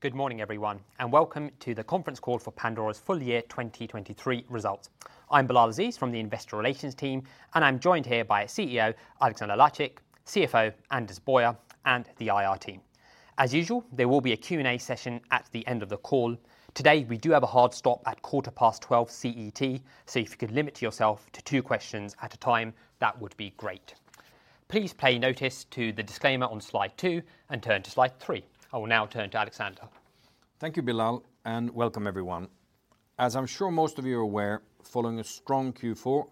Good morning, everyone, and welcome to the conference call for Pandora's full year 2023 results. I'm Bilal Aziz from the Investor Relations team, and I'm joined here by CEO Alexander Lacik, CFO Anders Boyer, and the IR team. As usual, there will be a Q&A session at the end of the call. Today, we do have a hard stop at 12:15 CET, so if you could limit yourself to two questions at a time, that would be great. Please pay notice to the disclaimer on slide two and turn to slide three. I will now turn to Alexander. Thank you, Bilal, and welcome everyone. As I'm sure most of you are aware, following a strong Q4,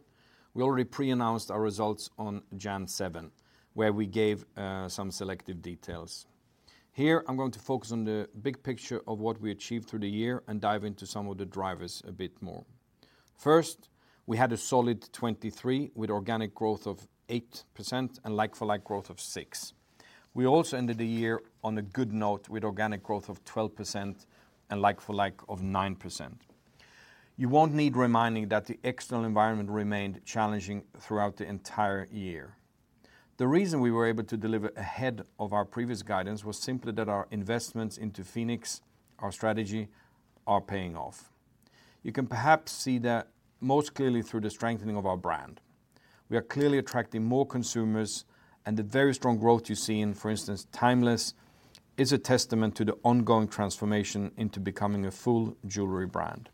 we already pre-announced our results on January 7, where we gave some selective details. Here, I'm going to focus on the big picture of what we achieved through the year and dive into some of the drivers a bit more. First, we had a solid 2023 with organic growth of 8% and like-for-like growth of 6%. We also ended the year on a good note with organic growth of 12% and like-for-like of 9%. You won't need reminding that the external environment remained challenging throughout the entire year. The reason we were able to deliver ahead of our previous guidance was simply that our investments into Phoenix, our strategy, are paying off. You can perhaps see that most clearly through the strengthening of our brand. We are clearly attracting more consumers, and the very strong growth you see in, for instance, Timeless, is a testament to the ongoing transformation into becoming a full jewelry brand.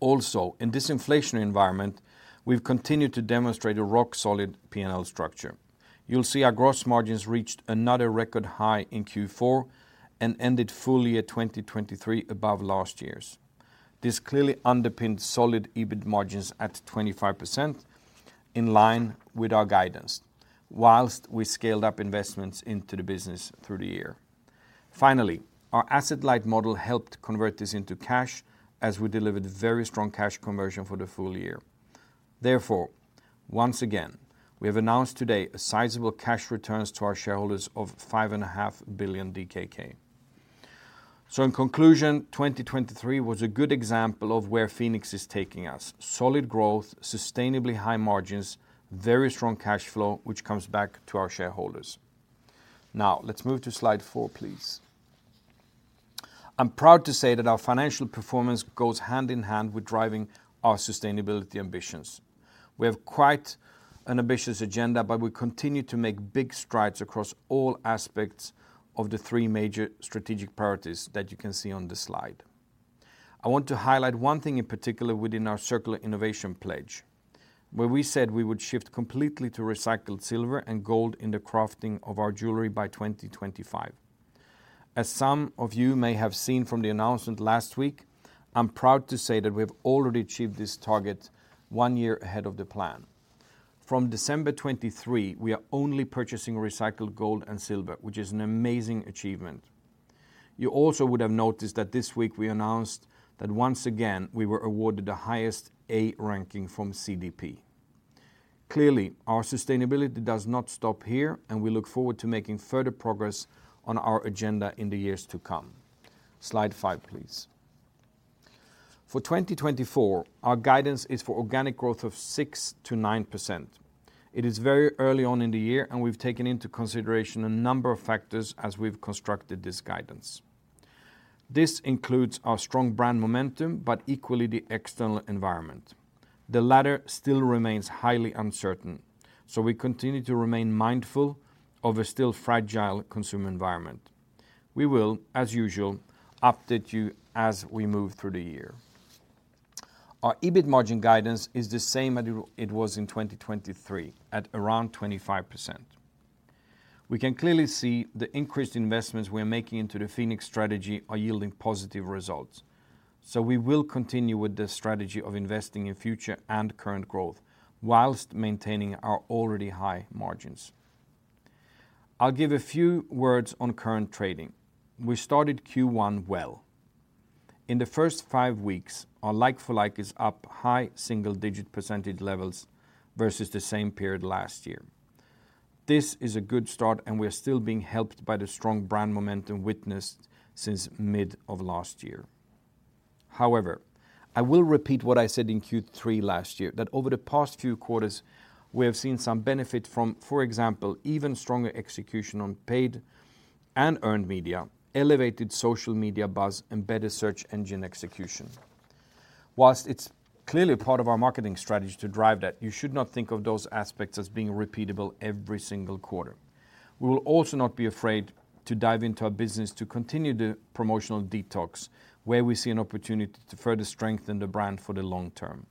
Also, in this inflationary environment, we've continued to demonstrate a rock-solid P&L structure. You'll see our gross margins reached another record high in Q4 and ended full year 2023 above last year's. This clearly underpinned solid EBIT margins at 25%, in line with our guidance, while we scaled up investments into the business through the year. Finally, our asset-light model helped convert this into cash as we delivered very strong cash conversion for the full year. Therefore, once again, we have announced today a sizable cash returns to our shareholders of 5.5 billion DKK. In conclusion, 2023 was a good example of where Phoenix is taking us: solid growth, sustainably high margins, very strong cash flow, which comes back to our shareholders. Now, let's move to slide four, please. I'm proud to say that our financial performance goes hand in hand with driving our sustainability ambitions. We have quite an ambitious agenda, but we continue to make big strides across all aspects of the three major strategic priorities that you can see on this slide. I want to highlight one thing in particular within our circular innovation pledge, where we said we would shift completely to recycled silver and gold in the crafting of our jewelry by 2025. As some of you may have seen from the announcement last week, I'm proud to say that we have already achieved this target one year ahead of the plan. From December 2023, we are only purchasing recycled gold and silver, which is an amazing achievement. You also would have noticed that this week we announced that once again, we were awarded the highest A ranking from CDP. Clearly, our sustainability does not stop here, and we look forward to making further progress on our agenda in the years to come. Slide five, please. For 2024, our guidance is for organic growth of 6%-9%. It is very early on in the year, and we've taken into consideration a number of factors as we've constructed this guidance. This includes our strong brand momentum, but equally, the external environment. The latter still remains highly uncertain, so we continue to remain mindful of a still fragile consumer environment. We will, as usual, update you as we move through the year. Our EBIT margin guidance is the same as it was in 2023, at around 25%. We can clearly see the increased investments we are making into the Phoenix strategy are yielding positive results. So we will continue with the strategy of investing in future and current growth while maintaining our already high margins. I'll give a few words on current trading. We started Q1 well. In the first five weeks, our like-for-like is up high single-digit percentage levels versus the same period last year. This is a good start, and we are still being helped by the strong brand momentum witnessed since mid of last year. However, I will repeat what I said in Q3 last year, that over the past few quarters, we have seen some benefit from, for example, even stronger execution on paid and earned media, elevated social media buzz, and better search engine execution. While it's clearly part of our marketing strategy to drive that, you should not think of those aspects as being repeatable every single quarter. We will also not be afraid to dive into our business to continue the promotional detox, where we see an opportunity to further strengthen the brand for the long term.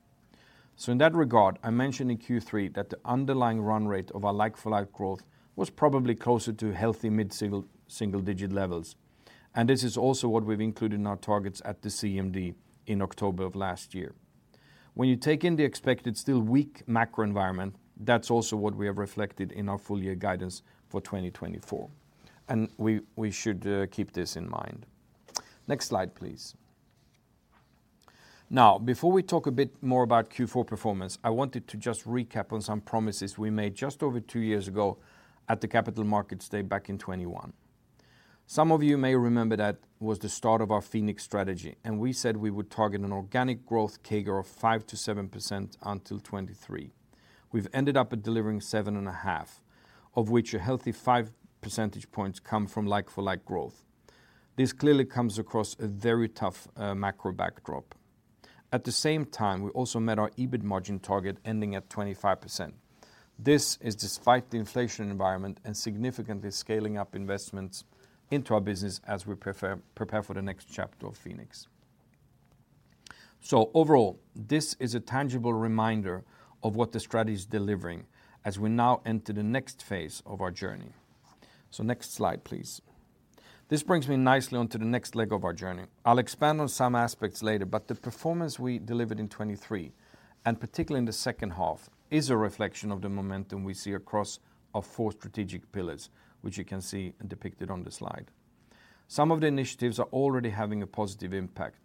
So in that regard, I mentioned in Q3 that the underlying run rate of our like-for-like growth was probably closer to healthy mid-single, single-digit levels, and this is also what we've included in our targets at the CMD in October of last year. When you take in the expected still weak macro environment, that's also what we have reflected in our full year guidance for 2024, and we should keep this in mind. Next slide, please. Now, before we talk a bit more about Q4 performance, I wanted to just recap on some promises we made just over two years ago at the Capital Markets Day back in 2021. Some of you may remember that was the start of our Phoenix strategy, and we said we would target an organic growth CAGR of 5%-7% until 2023. We've ended up delivering 7.5%, of which a healthy 5 percentage points come from like-for-like growth. This clearly comes across a very tough macro backdrop. At the same time, we also met our EBIT margin target, ending at 25%. This is despite the inflation environment and significantly scaling up investments into our business as we prepare for the next chapter of Pandora. So overall, this is a tangible reminder of what the strategy is delivering as we now enter the next phase of our journey. So next slide, please. This brings me nicely onto the next leg of our journey. I'll expand on some aspects later, but the performance we delivered in 2023, and particularly in the second half, is a reflection of the momentum we see across our four strategic pillars, which you can see depicted on the slide. Some of the initiatives are already having a positive impact.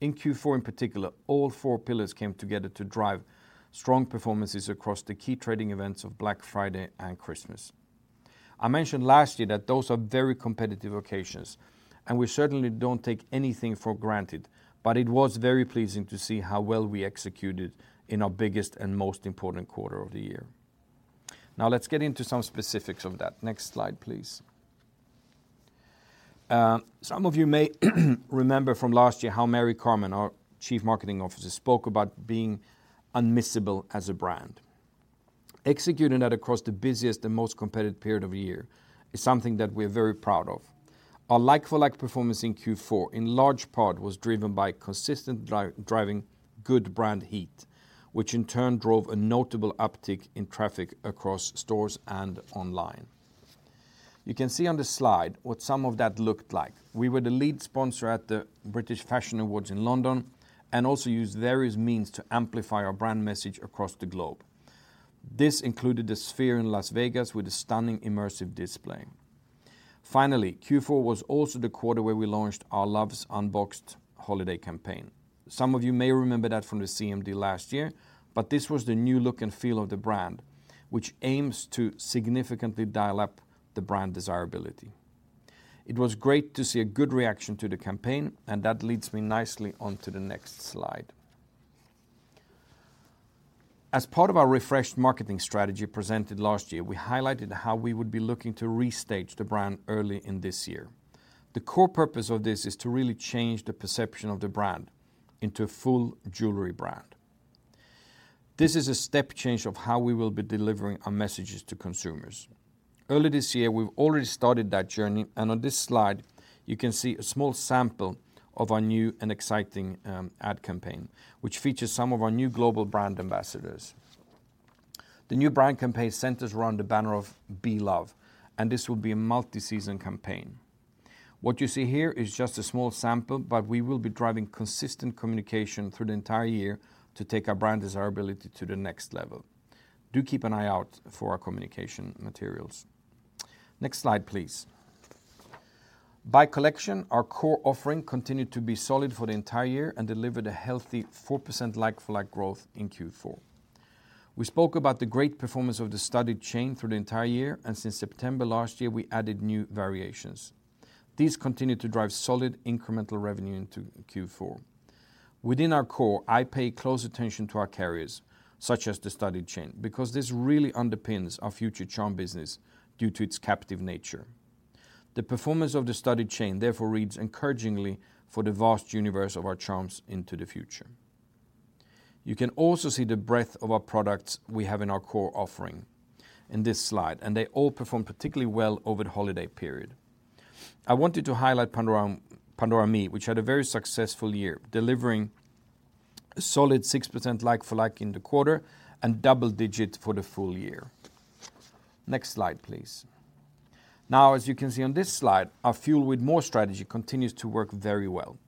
In Q4, in particular, all four pillars came together to drive strong performances across the key trading events of Black Friday and Christmas. I mentioned last year that those are very competitive occasions, and we certainly don't take anything for granted, but it was very pleasing to see how well we executed in our biggest and most important quarter of the year. Now, let's get into some specifics of that. Next slide, please. Some of you may remember from last year how Mary Carmen, our Chief Marketing Officer, spoke about being unmissable as a brand. Executing that across the busiest and most competitive period of the year is something that we're very proud of. Our like-for-like performance in Q4, in large part, was driven by consistent driving good brand heat, which in turn drove a notable uptick in traffic across stores and online. You can see on the slide what some of that looked like. We were the lead sponsor at the British Fashion Awards in London and also used various means to amplify our brand message across the globe. This included the Sphere in Las Vegas with a stunning immersive display. Finally, Q4 was also the quarter where we launched our Loves, Unboxed holiday campaign. Some of you may remember that from the CMD last year, but this was the new look and feel of the brand, which aims to significantly dial up the brand desirability. It was great to see a good reaction to the campaign, and that leads me nicely onto the next slide. As part of our refreshed marketing strategy presented last year, we highlighted how we would be looking to restage the brand early in this year. The core purpose of this is to really change the perception of the brand into a full jewelry brand. This is a step change of how we will be delivering our messages to consumers. Early this year, we've already started that journey, and on this slide, you can see a small sample of our new and exciting ad campaign, which features some of our new global brand ambassadors. The new brand campaign centers around the banner of BE LOVE, and this will be a multi-season campaign. What you see here is just a small sample, but we will be driving consistent communication through the entire year to take our brand desirability to the next level. Do keep an eye out for our communication materials. Next slide, please. By collection, our core offering continued to be solid for the entire year and delivered a healthy 4% like-for-like growth in Q4. We spoke about the great performance of the Studded Chain through the entire year, and since September last year, we added new variations. These continued to drive solid incremental revenue into Q4. Within our core, I pay close attention to our carriers, such as the Studded Chain, because this really underpins our future charm business due to its captive nature. The performance of the studded chain, therefore, reads encouragingly for the vast universe of our charms into the future. You can also see the breadth of our products we have in our core offering in this slide, and they all performed particularly well over the holiday period. I wanted to highlight Pandora ME, which had a very successful year, delivering a solid 6% like-for-like in the quarter and double digits for the full year. Next slide, please. Now, as you can see on this slide, our Fuel With More strategy continues to work very well.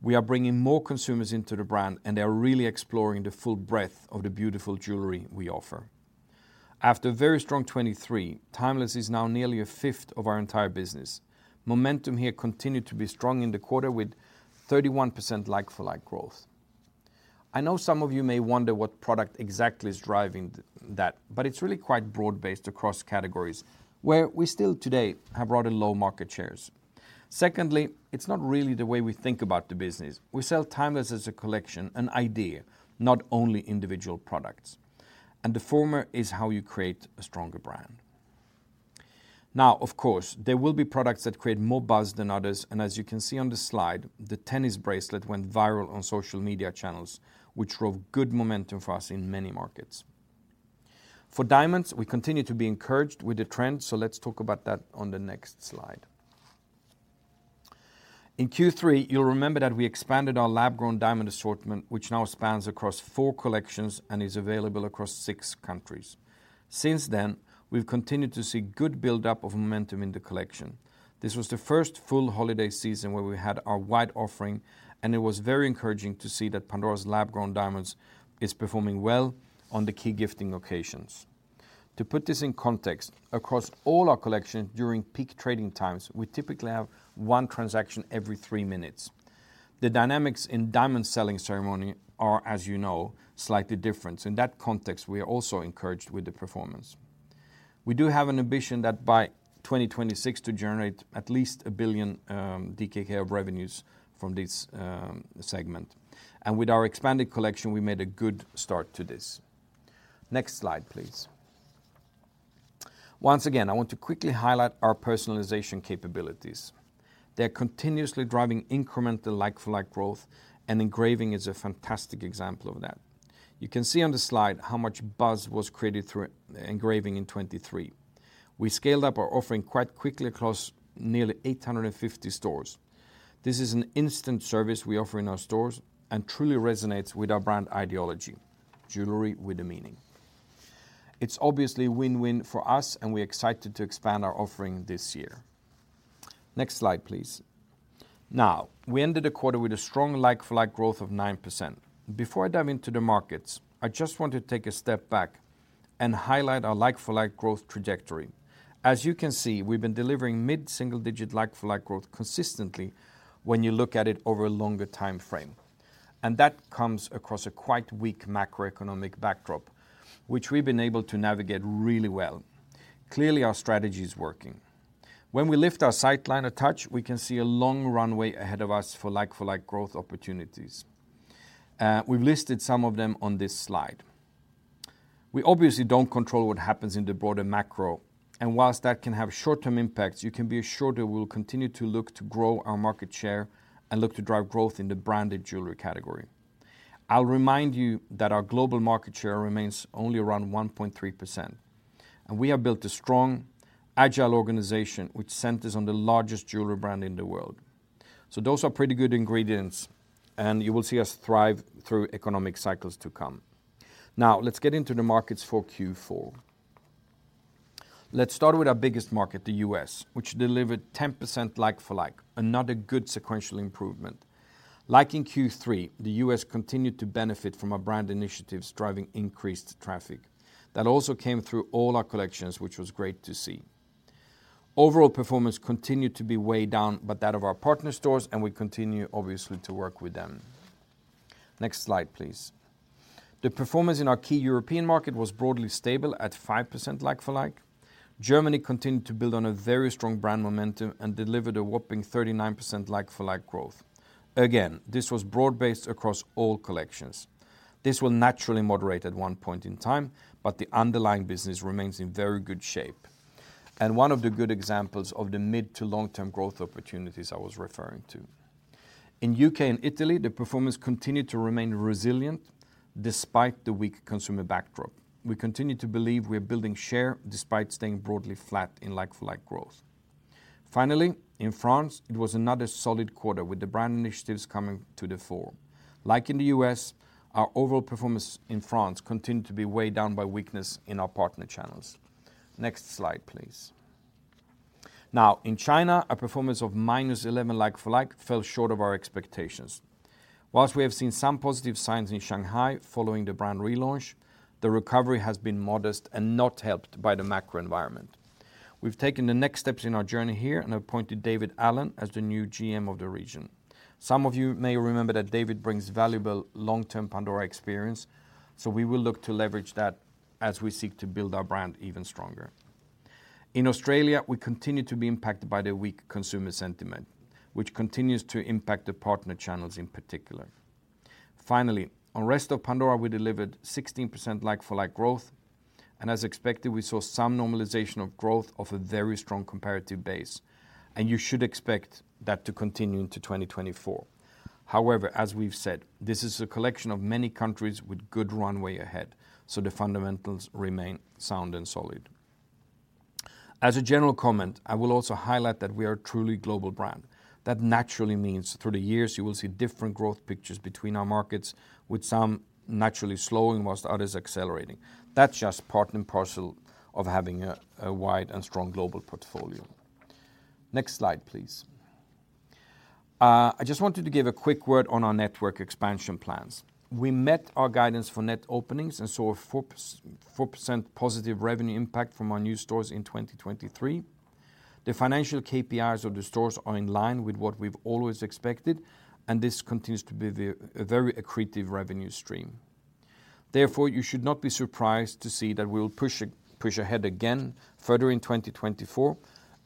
We are bringing more consumers into the brand, and they are really exploring the full breadth of the beautiful jewelry we offer. After a very strong 2023, Timeless is now nearly a fifth of our entire business. Momentum here continued to be strong in the quarter, with 31% like-for-like growth. I know some of you may wonder what product exactly is driving that, but it's really quite broad-based across categories where we still today have rather low market shares. Secondly, it's not really the way we think about the business. We sell Timeless as a collection, an idea, not only individual products, and the former is how you create a stronger brand. Now, of course, there will be products that create more buzz than others, and as you can see on the slide, the tennis bracelet went viral on social media channels, which drove good momentum for us in many markets. For diamonds, we continue to be encouraged with the trend, so let's talk about that on the next slide. In Q3, you'll remember that we expanded our lab-grown diamond assortment, which now spans across four collections and is available across six countries. Since then, we've continued to see good build-up of momentum in the collection. This was the first full holiday season where we had our wide offering, and it was very encouraging to see that Pandora's lab-grown diamonds is performing well on the key gifting occasions. To put this in context, across all our collection during peak trading times, we typically have one transaction every three minutes. The dynamics in diamond selling ceremony are, as you know, slightly different. In that context, we are also encouraged with the performance. We do have an ambition that by 2026 to generate at least 1 billion DKK of revenues from this segment. And with our expanded collection, we made a good start to this. Next slide, please. Once again, I want to quickly highlight our personalization capabilities. They're continuously driving incremental like-for-like growth, and Engraving is a fantastic example of that. You can see on the slide how much buzz was created through Engraving in 2023. We scaled up our offering quite quickly across nearly 850 stores. This is an instant service we offer in our stores and truly resonates with our brand ideology, jewelry with a meaning. It's obviously a win-win for us, and we're excited to expand our offering this year. Next slide, please. Now, we ended the quarter with a strong like-for-like growth of 9%. Before I dive into the markets, I just want to take a step back and highlight our like-for-like growth trajectory. As you can see, we've been delivering mid-single-digit like-for-like growth consistently when you look at it over a longer timeframe, and that comes across a quite weak macroeconomic backdrop, which we've been able to navigate really well. Clearly, our strategy is working. When we lift our sight line a touch, we can see a long runway ahead of us for like-for-like growth opportunities. We've listed some of them on this slide. We obviously don't control what happens in the broader macro, and while that can have short-term impacts, you can be assured that we will continue to look to grow our market share and look to drive growth in the branded jewelry category. I'll remind you that our global market share remains only around 1.3%, and we have built a strong, agile organization, which centers on the largest jewelry brand in the world. So those are pretty good ingredients, and you will see us thrive through economic cycles to come. Now, let's get into the markets for Q4. Let's start with our biggest market, the U.S., which delivered 10% like-for-like, another good sequential improvement. Like in Q3, the U.S. continued to benefit from our brand initiatives, driving increased traffic. That also came through all our collections, which was great to see. Overall performance continued to be way down, but that of our partner stores, and we continue, obviously, to work with them. Next slide, please. The performance in our key European market was broadly stable at 5% like-for-like. Germany continued to build on a very strong brand momentum and delivered a whopping 39% like-for-like growth. Again, this was broad-based across all collections. This will naturally moderate at one point in time, but the underlying business remains in very good shape. And one of the good examples of the mid- to long-term growth opportunities I was referring to. In the U.K. and Italy, the performance continued to remain resilient despite the weak consumer backdrop. We continue to believe we are building share despite staying broadly flat in like-for-like growth. Finally, in France, it was another solid quarter, with the brand initiatives coming to the fore. Like in the U.S., our overall performance in France continued to be weighed down by weakness in our partner channels. Next slide, please. Now, in China, a performance of -11 like-for-like fell short of our expectations. While we have seen some positive signs in Shanghai following the brand relaunch, the recovery has been modest and not helped by the macro environment. We've taken the next steps in our journey here and appointed David Allen as the new GM of the region. Some of you may remember that David brings valuable long-term Pandora experience, so we will look to leverage that as we seek to build our brand even stronger. In Australia, we continue to be impacted by the weak consumer sentiment, which continues to impact the partner channels in particular. Finally, on Rest of Pandora, we delivered 16% like-for-like growth, and as expected, we saw some normalization of growth of a very strong comparative base, and you should expect that to continue into 2024. However, as we've said, this is a collection of many countries with good runway ahead, so the fundamentals remain sound and solid. As a general comment, I will also highlight that we are a truly global brand. That naturally means through the years, you will see different growth pictures between our markets, with some naturally slowing whilst others accelerating. That's just part and parcel of having a wide and strong global portfolio. Next slide, please. I just wanted to give a quick word on our network expansion plans. We met our guidance for net openings and saw a 4% positive revenue impact from our new stores in 2023. The financial KPIs of the stores are in line with what we've always expected, and this continues to be a very accretive revenue stream. Therefore, you should not be surprised to see that we will push ahead again further in 2024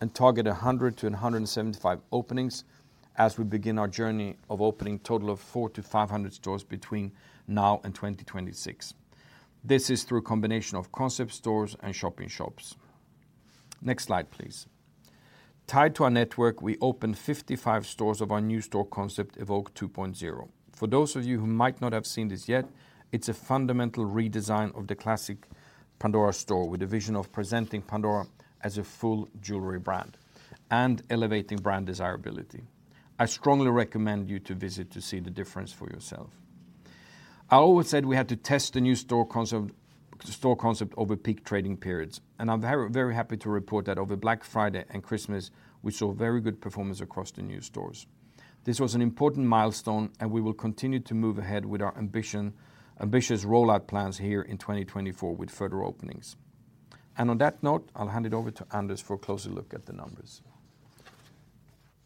and target 100-175 openings as we begin our journey of opening a total of 400-500 stores between now and 2026. This is through a combination of concept stores and shop-in-shops. Next slide, please. Tied to our network, we opened 55 stores of our new store concept, Evoke 2.0. For those of you who might not have seen this yet, it's a fundamental redesign of the classic Pandora store, with a vision of presenting Pandora as a full jewelry brand and elevating brand desirability. I strongly recommend you to visit to see the difference for yourself. I always said we had to test the new store concept, store concept over peak trading periods, and I'm very, very happy to report that over Black Friday and Christmas, we saw very good performance across the new stores. This was an important milestone, and we will continue to move ahead with our ambition, ambitious rollout plans here in 2024 with further openings. On that note, I'll hand it over to Anders for a closer look at the numbers....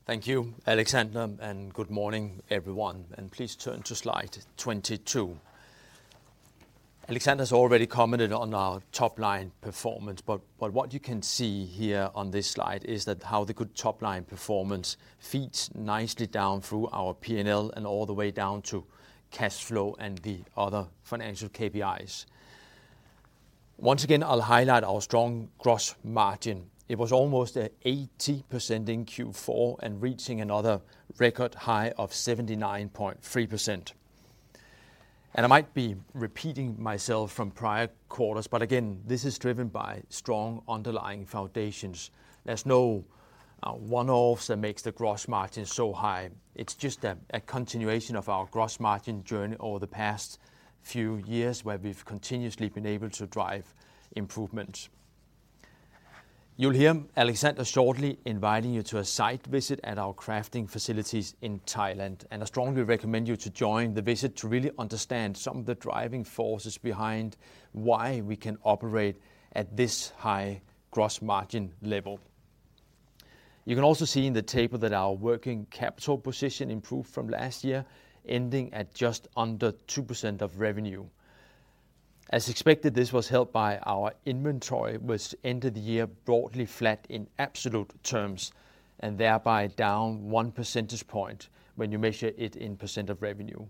Thank you, Alexander, and good morning, everyone. Please turn to slide 22. Alexander's already commented on our top-line performance, but what you can see here on this slide is that how the good top-line performance feeds nicely down through our P&L and all the way down to cash flow and the other financial KPIs. Once again, I'll highlight our strong gross margin. It was almost at 80% in Q4 and reaching another record high of 79.3%. I might be repeating myself from prior quarters, but again, this is driven by strong underlying foundations. There's no one-offs that makes the gross margin so high. It's just a continuation of our gross margin journey over the past few years, where we've continuously been able to drive improvements. You'll hear Alexander shortly inviting you to a site visit at our crafting facilities in Thailand, and I strongly recommend you to join the visit to really understand some of the driving forces behind why we can operate at this high gross margin level. You can also see in the table that our working capital position improved from last year, ending at just under 2% of revenue. As expected, this was helped by our inventory, which ended the year broadly flat in absolute terms, and thereby down 1 percentage point when you measure it in percent of revenue.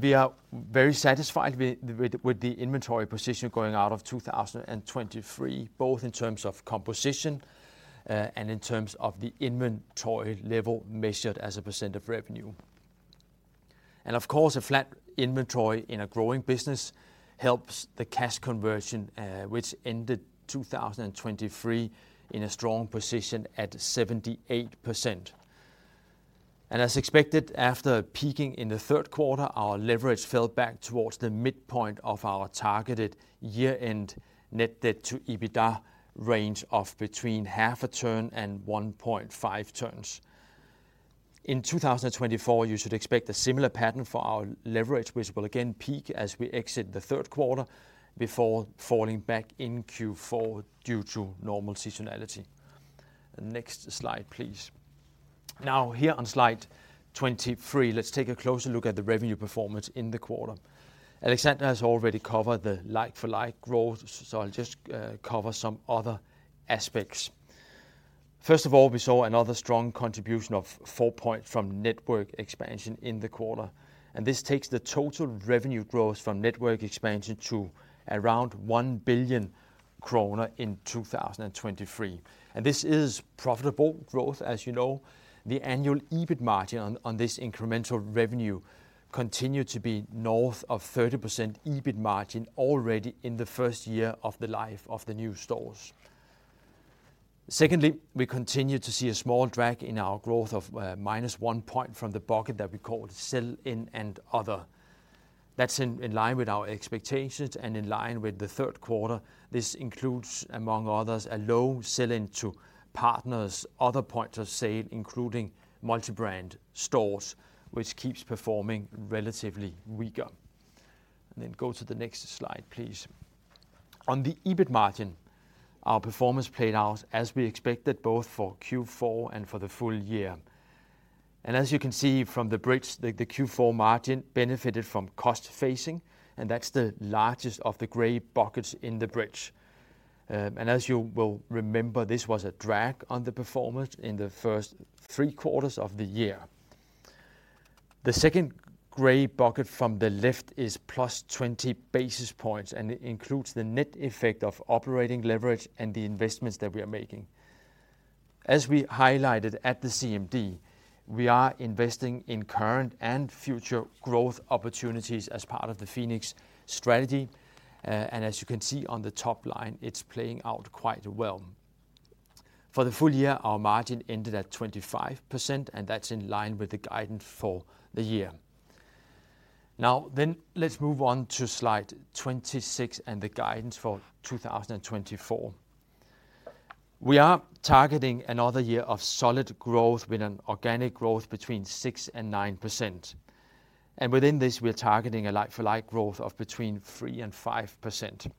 We are very satisfied with the inventory position going out of 2023, both in terms of composition, and in terms of the inventory level measured as a percent of revenue. Of course, a flat inventory in a growing business helps the cash conversion, which ended 2023 in a strong position at 78%. And as expected, after peaking in the third quarter, our leverage fell back towards the midpoint of our targeted year-end net debt to EBITDA range of between half a turn and 1.5 turns. In 2024, you should expect a similar pattern for our leverage, which will again peak as we exit the third quarter before falling back in Q4 due to normal seasonality. Next slide, please. Now, here on slide 23, let's take a closer look at the revenue performance in the quarter. Alexander has already covered the like-for-like growth, so I'll just cover some other aspects. First of all, we saw another strong contribution of 4 points from network expansion in the quarter, and this takes the total revenue growth from network expansion to around 1 billion kroner in 2023. And this is profitable growth, as you know. The annual EBIT margin on this incremental revenue continued to be north of 30% EBIT margin already in the first year of the life of the new stores. Secondly, we continued to see a small drag in our growth of -1 point from the bucket that we call sell-in and other. That's in line with our expectations and in line with the third quarter. This includes, among others, a low sell-in to partners, other points of sale, including multi-brand stores, which keeps performing relatively weaker. And then go to the next slide, please. On the EBIT margin, our performance played out as we expected, both for Q4 and for the full year. And as you can see from the bridge, the Q4 margin benefited from cost phasing, and that's the largest of the gray buckets in the bridge. And as you will remember, this was a drag on the performance in the first three quarters of the year. The second gray bucket from the left is +20 basis points, and it includes the net effect of operating leverage and the investments that we are making. As we highlighted at the CMD, we are investing in current and future growth opportunities as part of the Phoenix strategy, and as you can see on the top line, it's playing out quite well. For the full year, our margin ended at 25%, and that's in line with the guidance for the year. Now, then, let's move on to slide 26 and the guidance for 2024. We are targeting another year of solid growth with an organic growth between 6% and 9%, and within this, we are targeting a like-for-like growth of between 3% and 5%.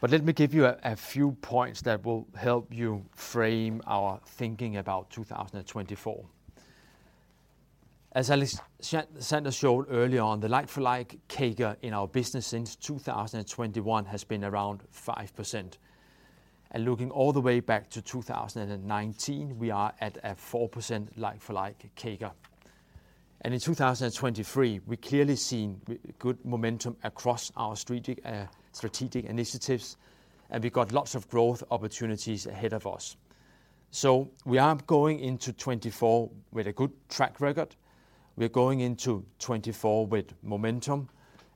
But let me give you a few points that will help you frame our thinking about 2024. As Alexander Lacik showed earlier on, the like-for-like CAGR in our business since 2021 has been around 5%, and looking all the way back to 2019, we are at a 4% like-for-like CAGR. And in 2023, we've clearly seen good momentum across our strategic, strategic initiatives, and we've got lots of growth opportunities ahead of us. So we are going into 2024 with a good track record, we're going into 2024 with momentum,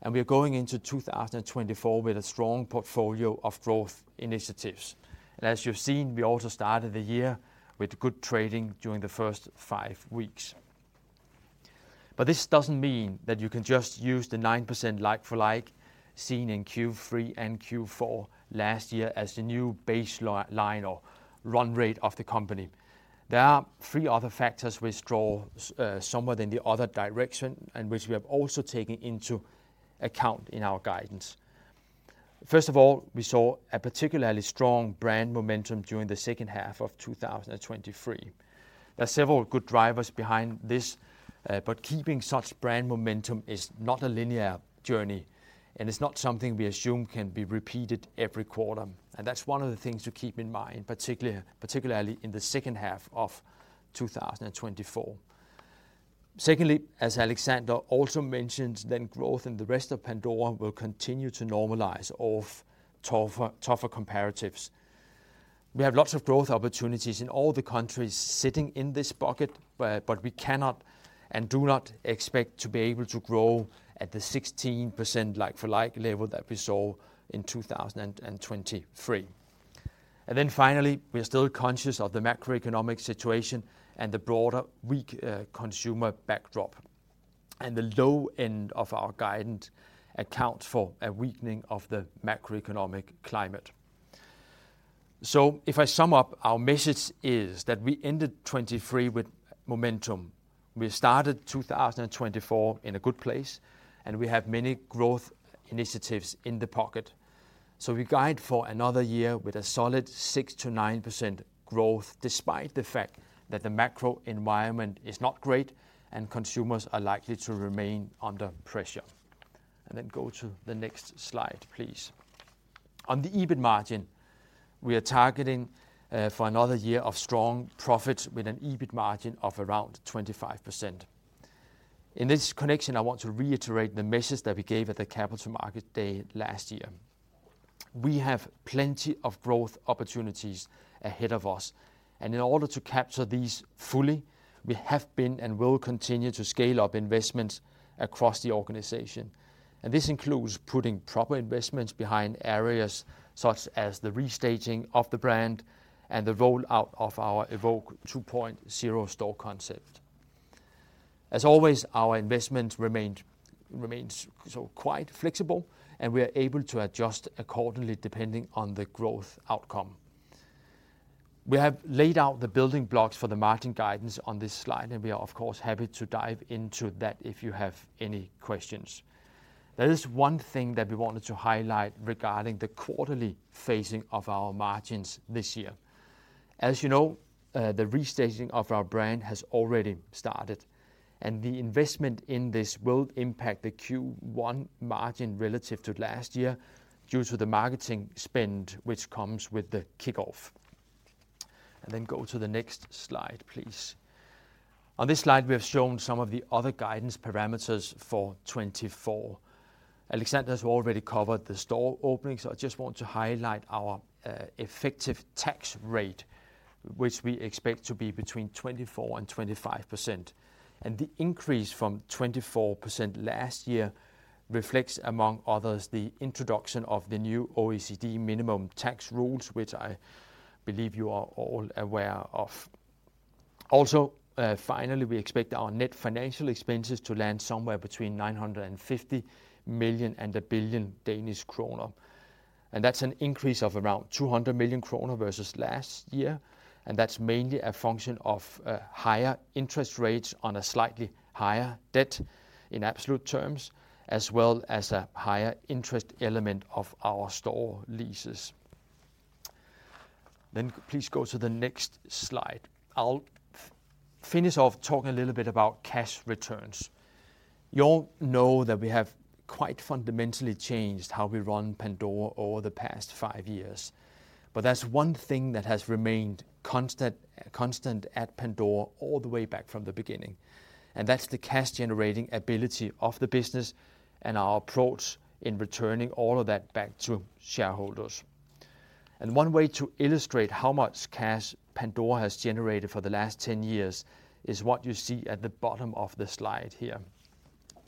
and we're going into 2024 with a strong portfolio of growth initiatives. And as you've seen, we also started the year with good trading during the first five weeks. But this doesn't mean that you can just use the 9% like-for-like seen in Q3 and Q4 last year as the new baseline line or run rate of the company. There are three other factors which draw somewhat in the other direction, and which we have also taken into account in our guidance. First of all, we saw a particularly strong brand momentum during the second half of 2023. There are several good drivers behind this, but keeping such brand momentum is not a linear journey, and it's not something we assume can be repeated every quarter. That's one of the things to keep in mind, particularly in the second half of 2024. Secondly, as Alexander also mentioned, then growth in the rest of Pandora will continue to normalize off tougher comparatives. We have lots of growth opportunities in all the countries sitting in this bucket, but we cannot and do not expect to be able to grow at the 16% like-for-like level that we saw in 2023. And then finally, we are still conscious of the macroeconomic situation and the broader weak consumer backdrop, and the low end of our guidance accounts for a weakening of the macroeconomic climate. So if I sum up, our message is that we ended 2023 with momentum. We started 2024 in a good place, and we have many growth initiatives in the pocket. So we guide for another year with a solid 6%-9% growth, despite the fact that the macro environment is not great and consumers are likely to remain under pressure. And then go to the next slide, please. On the EBIT margin, we are targeting for another year of strong profits with an EBIT margin of around 25%. In this connection, I want to reiterate the message that we gave at the Capital Market Day last year. We have plenty of growth opportunities ahead of us, and in order to capture these fully, we have been and will continue to scale up investments across the organization. And this includes putting proper investments behind areas such as the restaging of the brand and the roll out of our Evoke 2.0 store concept. As always, our investment remained, remains so quite flexible, and we are able to adjust accordingly depending on the growth outcome. We have laid out the building blocks for the margin guidance on this slide, and we are of course, happy to dive into that if you have any questions. There is one thing that we wanted to highlight regarding the quarterly phasing of our margins this year. As you know, the restaging of our brand has already started, and the investment in this will impact the Q1 margin relative to last year, due to the marketing spend, which comes with the kickoff. Then go to the next slide, please. On this slide, we have shown some of the other guidance parameters for 2024. Alexander has already covered the store opening, so I just want to highlight our effective tax rate, which we expect to be between 24% and 25%. The increase from 24% last year reflects, among others, the introduction of the new OECD minimum tax rules, which I believe you are all aware of. Also, finally, we expect our net financial expenses to land somewhere between 950 million and 1 billion Danish kroner, and that's an increase of around 200 million kroner versus last year. That's mainly a function of higher interest rates on a slightly higher debt in absolute terms, as well as a higher interest element of our store leases. Please go to the next slide. I'll finish off talking a little bit about cash returns. You all know that we have quite fundamentally changed how we run Pandora over the past five years, but that's one thing that has remained constant, constant at Pandora all the way back from the beginning, and that's the cash-generating ability of the business and our approach in returning all of that back to shareholders. One way to illustrate how much cash Pandora has generated for the last 10 years is what you see at the bottom of the slide here.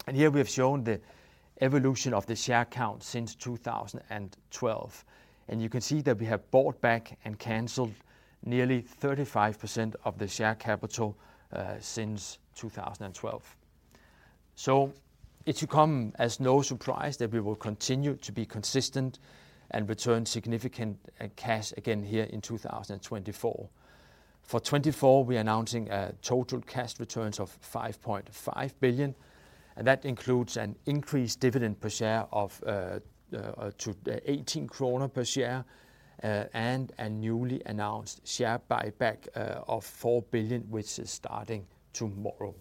And here we have shown the evolution of the share count since 2012, and you can see that we have bought back and canceled nearly 35% of the share capital since 2012. So it should come as no surprise that we will continue to be consistent and return significant cash again here in 2024. For 2024, we are announcing a total cash return of 5.5 billion, and that includes an increased dividend per share of to 18 kroner per share, and a newly announced share buyback of 4 billion, which is starting tomorrow.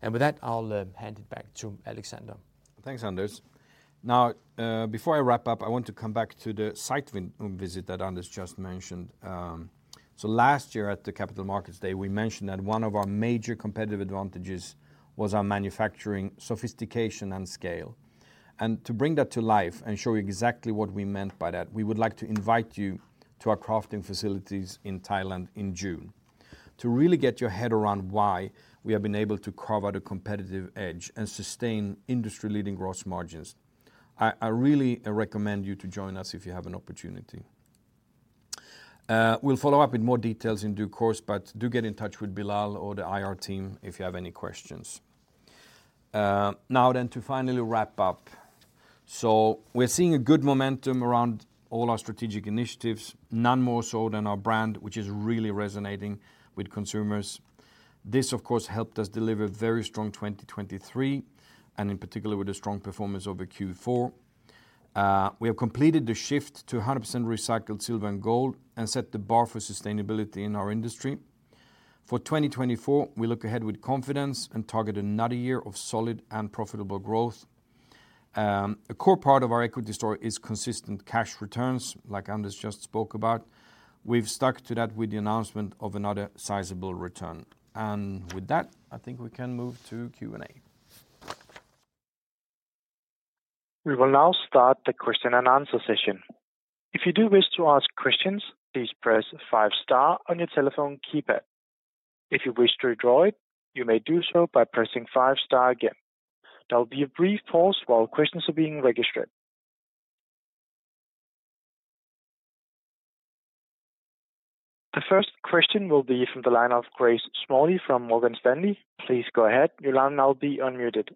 And with that, I'll hand it back to Alexander. Thanks, Anders. Now, before I wrap up, I want to come back to the site visit that Anders just mentioned. So last year at the Capital Markets Day, we mentioned that one of our major competitive advantages was our manufacturing sophistication and scale. And to bring that to life and show you exactly what we meant by that, we would like to invite you to our crafting facilities in Thailand in June. To really get your head around why we have been able to carve out a competitive edge and sustain industry-leading gross margins, I really recommend you to join us if you have an opportunity. We'll follow up with more details in due course, but do get in touch with Bilal or the IR team if you have any questions. Now then to finally wrap up. We're seeing a good momentum around all our strategic initiatives, none more so than our brand, which is really resonating with consumers. This, of course, helped us deliver very strong 2023, and in particular, with a strong performance over Q4. We have completed the shift to 100% recycled silver and gold and set the bar for sustainability in our industry. For 2024, we look ahead with confidence and target another year of solid and profitable growth. A core part of our equity story is consistent cash returns, like Anders just spoke about. We've stuck to that with the announcement of another sizable return. With that, I think we can move to Q&A. We will now start the question-and-answer session. If you do wish to ask questions, please press five star on your telephone keypad. If you wish to withdraw it, you may do so by pressing five star again. There will be a brief pause while questions are being registered. The first question will be from the line of Grace Smalley from Morgan Stanley. Please go ahead. Your line now be unmuted.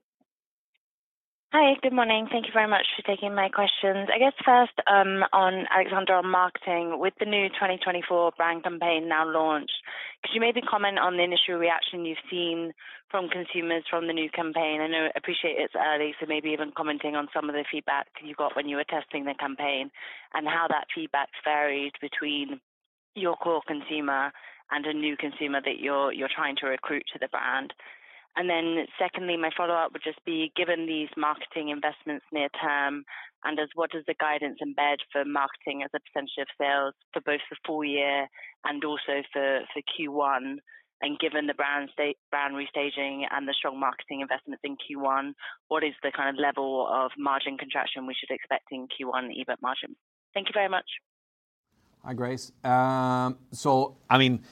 Hi, good morning. Thank you very much for taking my questions. I guess first, on Alexander, on marketing, with the new 2024 brand campaign now launched, could you maybe comment on the initial reaction you've seen from consumers from the new campaign? I know, appreciate it's early, so maybe even commenting on some of the feedback you got when you were testing the campaign, and how that feedback varied between your core consumer and a new consumer that you're, you're trying to recruit to the brand. And then secondly, my follow-up would just be: given these marketing investments near term, Anders, what does the guidance embed for marketing as a percentage of sales for both the full year and also for, for Q1? Given the brand restaging and the strong marketing investments in Q1, what is the kind of level of margin contraction we should expect in Q1 EBIT margin? Thank you very much. Hi, Grace. So I mean,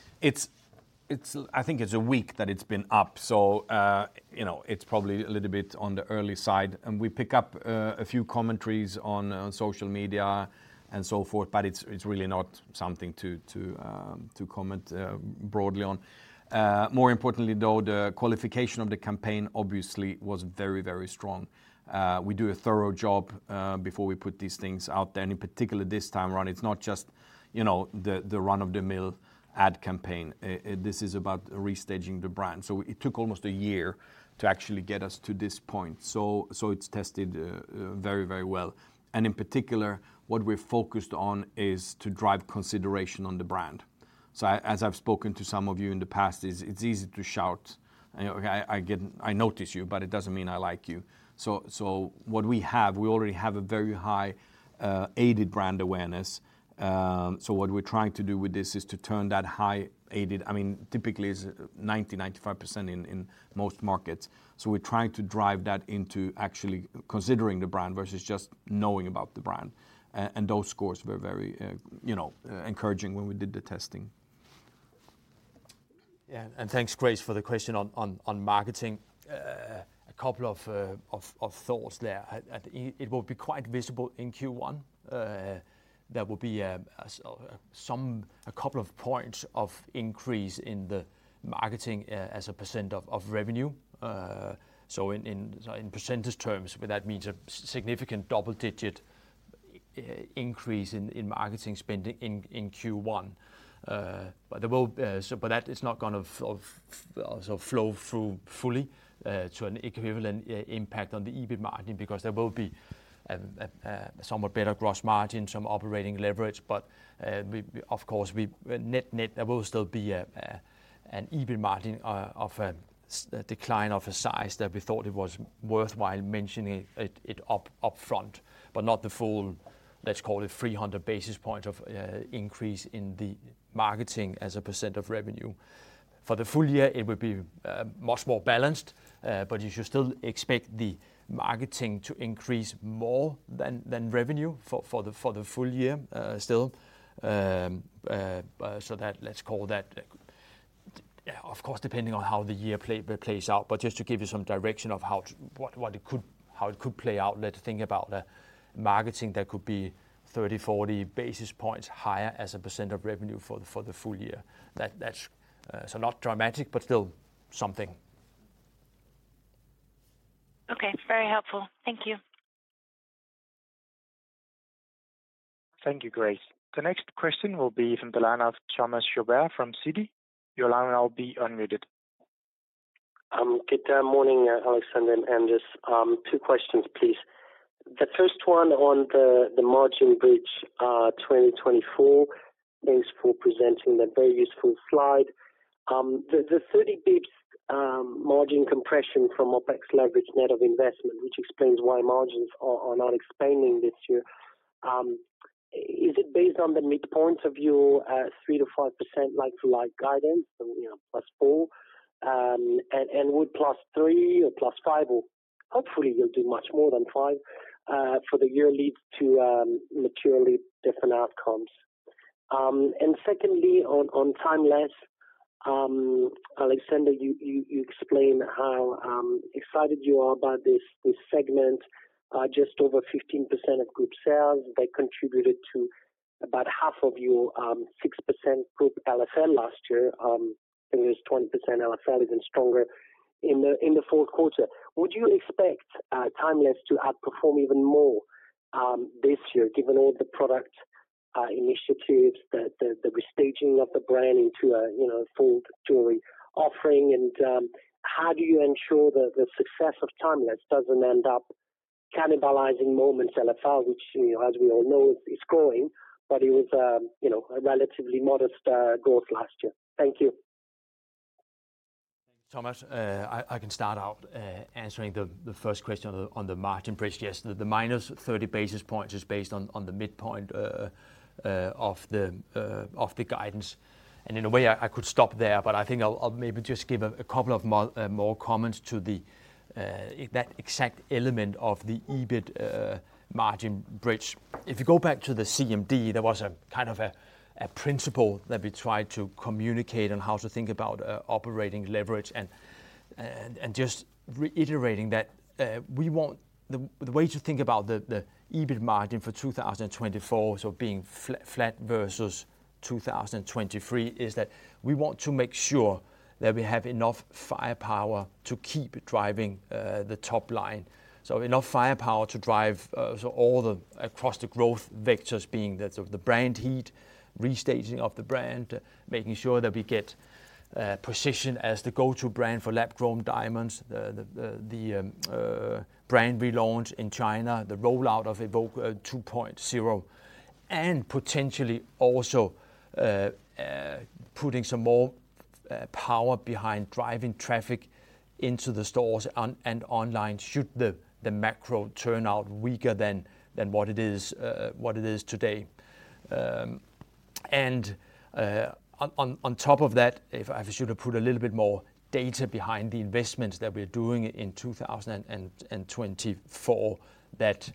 it's a week that it's been up, so, you know, it's probably a little bit on the early side, and we pick up a few commentaries on social media and so forth, but it's really not something to comment broadly on. More importantly, though, the qualification of the campaign obviously was very, very strong. We do a thorough job before we put these things out there. And in particular, this time around, it's not just, you know, the run-of-the-mill ad campaign. This is about restaging the brand. So it took almost a year to actually get us to this point. So it's tested very, very well. And in particular, what we're focused on is to drive consideration on the brand. So as I've spoken to some of you in the past, it's easy to shout, and, okay, I get, I notice you, but it doesn't mean I like you. So what we have, we already have a very high aided brand awareness. So what we're trying to do with this is to turn that high aided... I mean, typically, it's 90%-95% in most markets. So we're trying to drive that into actually considering the brand versus just knowing about the brand. And those scores were very, you know, encouraging when we did the testing. Yeah, and thanks, Grace, for the question on marketing. A couple of thoughts there. At the end, it will be quite visible in Q1. There will be a couple of points of increase in the marketing as a percent of revenue. So in percentage terms, that means a significant double-digit increase in marketing spending in Q1. But that is not gonna flow through fully to an equivalent impact on the EBIT margin, because there will be somewhat better gross margin, some operating leverage. But, of course, net net, there will still be an EBIT margin decline of a size that we thought it was worthwhile mentioning up front, but not the full, let's call it, 300 basis point increase in the marketing as a percent of revenue. For the full year, it would be much more balanced, but you should still expect the marketing to increase more than revenue for the full year, still. So, let's call that, of course, depending on how the year plays out, but just to give you some direction of how to... How it could play out, let's think about the marketing that could be 30, 40 basis points higher as a percent of revenue for the full year. That's so not dramatic, but still something. Okay, very helpful. Thank you. Thank you, Grace. The next question will be from the line of Thomas Chauvet from Citi. Your line is now being unmuted. Good morning, Alexander and Anders. Two questions, please. The first one on the margin bridge, 2024. Thanks for presenting that very useful slide. The 30 basis points margin compression from OpEx leverage net of investment, which explains why margins are not expanding this year, is it based on the midpoint of your 3%-5% like-for-like guidance, so, you know, +4%? And would +3% or +5%, or hopefully you'll do much more than 5%, for the year leads to materially different outcomes? And secondly, on Timeless, Alexander, you explained how excited you are about this segment. Just over 15% of group sales, they contributed to about half of your 6% group LFL last year, and it was 20% LFL, even stronger in the fourth quarter. Would you expect Timeless to outperform even more this year, given all the product initiatives, the restaging of the brand into a, you know, full jewelry offering. And how do you ensure that the success of Timeless doesn't end up cannibalizing Moments LFL, which, you know, as we all know, is growing, but it was, you know, a relatively modest growth last year? Thank you. Thomas, I can start out answering the first question on the margin bridge. Yes, the -30 basis points is based on the midpoint of the guidance, and in a way, I could stop there, but I think I'll maybe just give a couple of more comments to that exact element of the EBIT margin bridge. If you go back to the CMD, there was a kind of a principle that we tried to communicate on how to think about operating leverage, and just reiterating that, we want the way to think about the EBIT margin for 2024, so being flat versus 2023, is that we want to make sure that we have enough firepower to keep driving the top line. So enough firepower to drive, so all the across the growth vectors being that of the brand heat, restaging of the brand, making sure that we get positioned as the go-to brand for lab-grown diamonds, the brand relaunch in China, the rollout of Evoke 2.0. And potentially also, putting some more power behind driving traffic into the stores on and online should the macro turn out weaker than what it is today. And on top of that, if I should have put a little bit more data behind the investments that we're doing in 2024, that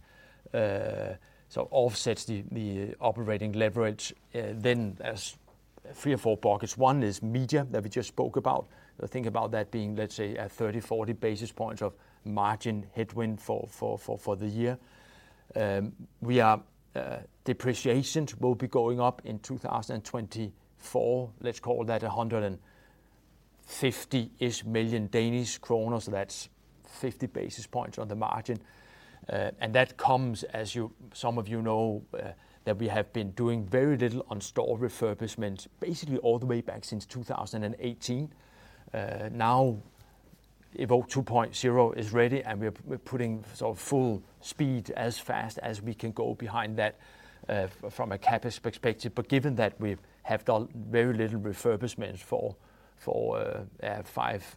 so offsets the operating leverage, then there's three or four buckets. One is media that we just spoke about. So think about that being, let's say, a 30-40 basis points of margin headwind for the year. We are, depreciation will be going up in 2024. Let's call that 150-ish million Danish kroner, so that's 50 basis points on the margin. And that comes, as some of you know, that we have been doing very little on store refurbishment, basically all the way back since 2018. Now, Evoke 2.0 is ready, and we're putting sort of full speed as fast as we can go behind that, from a CapEx perspective. But given that we've done very little refurbishments for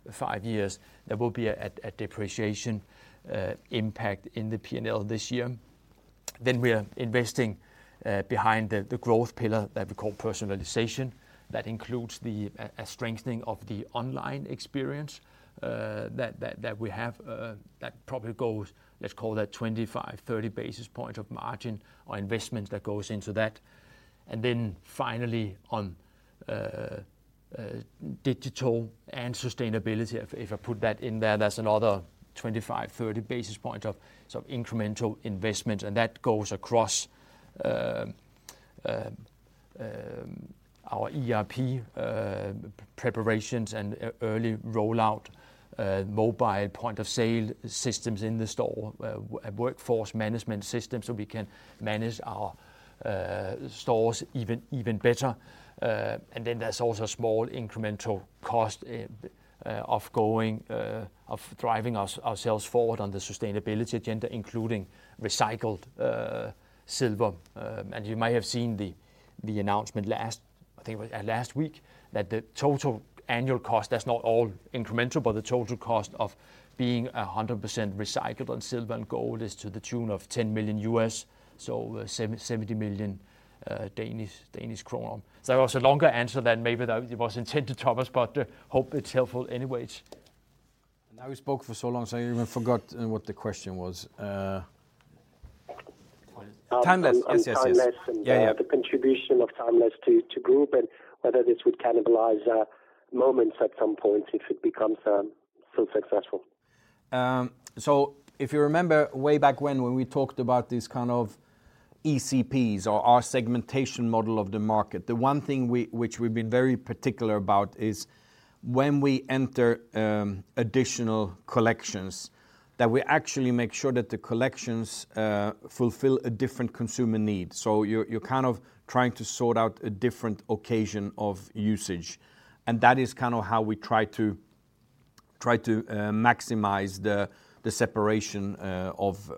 five years, there will be a depreciation impact in the P&L this year. Then we are investing behind the growth pillar that we call personalization. That includes a strengthening of the online experience that we have that probably goes, let's call that 25-30 basis points of margin or investment that goes into that. And then finally, on digital and sustainability, if I put that in there, that's another 25-30 basis points of sort of incremental investment, and that goes across our ERP preparations and early rollout, mobile point of sale systems in the store, a workforce management system, so we can manage our stores even better. And then there's also small incremental cost of driving ourselves forward on the sustainability agenda, including recycled silver. And you might have seen the announcement last, I think it was, last week, that the total annual cost, that's not all incremental, but the total cost of being 100% recycled on silver and gold is to the tune of $10 million, so 70 million. So it was a longer answer than maybe that it was intended, Thomas, but hope it's helpful anyways. Now, we spoke for so long, so I even forgot what the question was... Timeless, yes, yes, yes. On Timeless- Yeah, yeah. The contribution of Timeless to group and whether this would cannibalize Moments at some point if it becomes so successful? So if you remember way back when, when we talked about these kind of ECPs or our segmentation model of the market, the one thing which we've been very particular about is when we enter additional collections, that we actually make sure that the collections fulfill a different consumer need. So you're kind of trying to sort out a different occasion of usage, and that is kind of how we try to maximize the separation of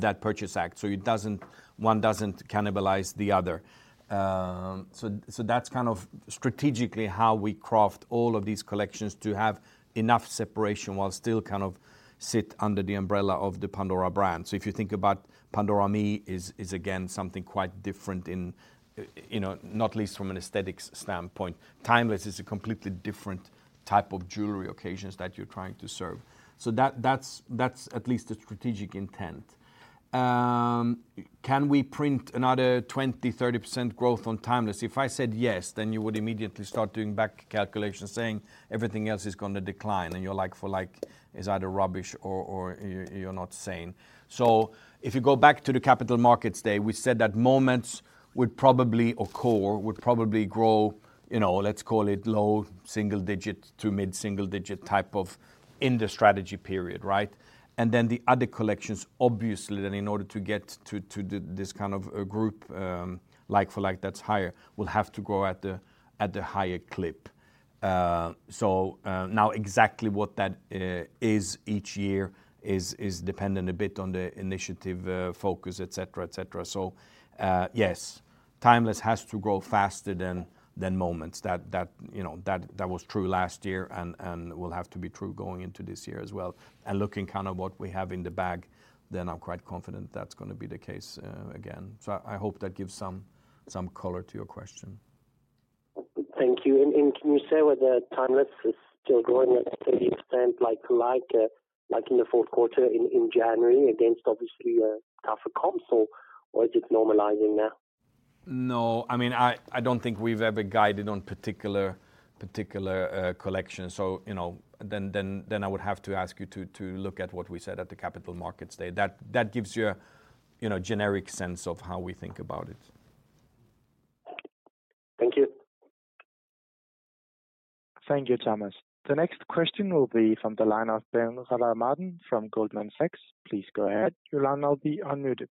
that purchase act, so one doesn't cannibalize the other. So that's kind of strategically how we craft all of these collections to have enough separation while still kind of sit under the umbrella of the Pandora brand. So if you think about Pandora ME is again something quite different in, you know, not least from an aesthetics standpoint. Timeless is a completely different type of jewelry occasions that you're trying to serve. So that's at least the strategic intent. Can we print another 20%-30% growth on Timeless? If I said yes, then you would immediately start doing back calculations, saying everything else is gonna decline, and you're like, LFL, it's either rubbish or you're not sane. So if you go back to the Capital Markets Day, we said that Moments or Core would probably grow, you know, let's call it low single-digit to mid-single-digit type of in the strategy period, right? And then the other collections, obviously, then in order to get to, to this kind of a group, like-for-like that's higher, will have to grow at the, at the higher clip. So, now exactly what that is each year is dependent a bit on the initiative, focus, et cetera, et cetera. So, yes, Timeless has to grow faster than Moments. That, you know, that was true last year and will have to be true going into this year as well. And looking kind of what we have in the bag, then I'm quite confident that's gonna be the case, again. So I hope that gives some color to your question. Thank you. Can you say whether Timeless is still growing at 30% like to like, like in the fourth quarter in January against obviously a tougher comp, or is it normalizing now? No. I mean, I don't think we've ever guided on particular collection, so, you know, then I would have to ask you to look at what we said at the Capital Markets Day. That gives you a, you know, generic sense of how we think about it. Thank you. Thank you, Thomas. The next question will be from the line of Ben Rada Martin from Goldman Sachs. Please go ahead. Your line will now be unmuted.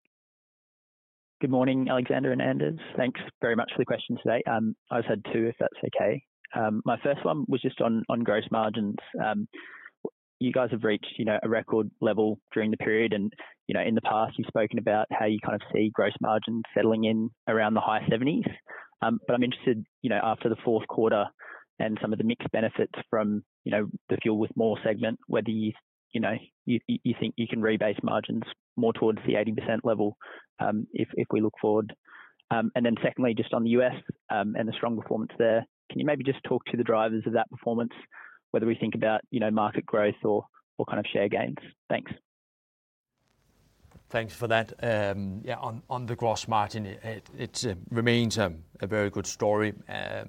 Good morning, Alexander and Anders. Thanks very much for the question today. I just had two, if that's okay. My first one was just on gross margins. You guys have reached, you know, a record level during the period and, you know, in the past, you've spoken about how you kind of see gross margins settling in around the high 70s%. But I'm interested, you know, after the fourth quarter and some of the mixed benefits from, you know, the Fuel With More segment, whether you know you think you can rebase margins more towards the 80% level, if we look forward? Secondly, just on the U.S., and the strong performance there, can you maybe just talk to the drivers of that performance, whether we think about, you know, market growth or kind of share gains? Thanks. Thanks for that. Yeah, on the gross margin, it remains a very good story. I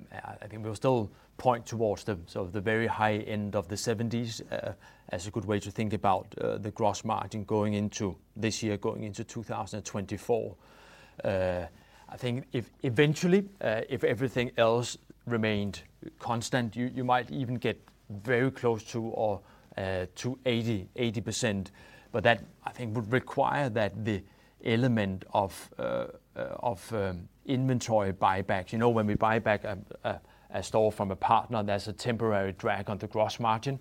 think we'll still point towards the sort of the very high end of the 70s% as a good way to think about the gross margin going into this year, going into 2024. I think if eventually if everything else remained constant, you might even get very close to or to 80%, 80%. But that, I think, would require that the element of of inventory buybacks. You know, when we buy back a store from a partner, there's a temporary drag on the gross margin.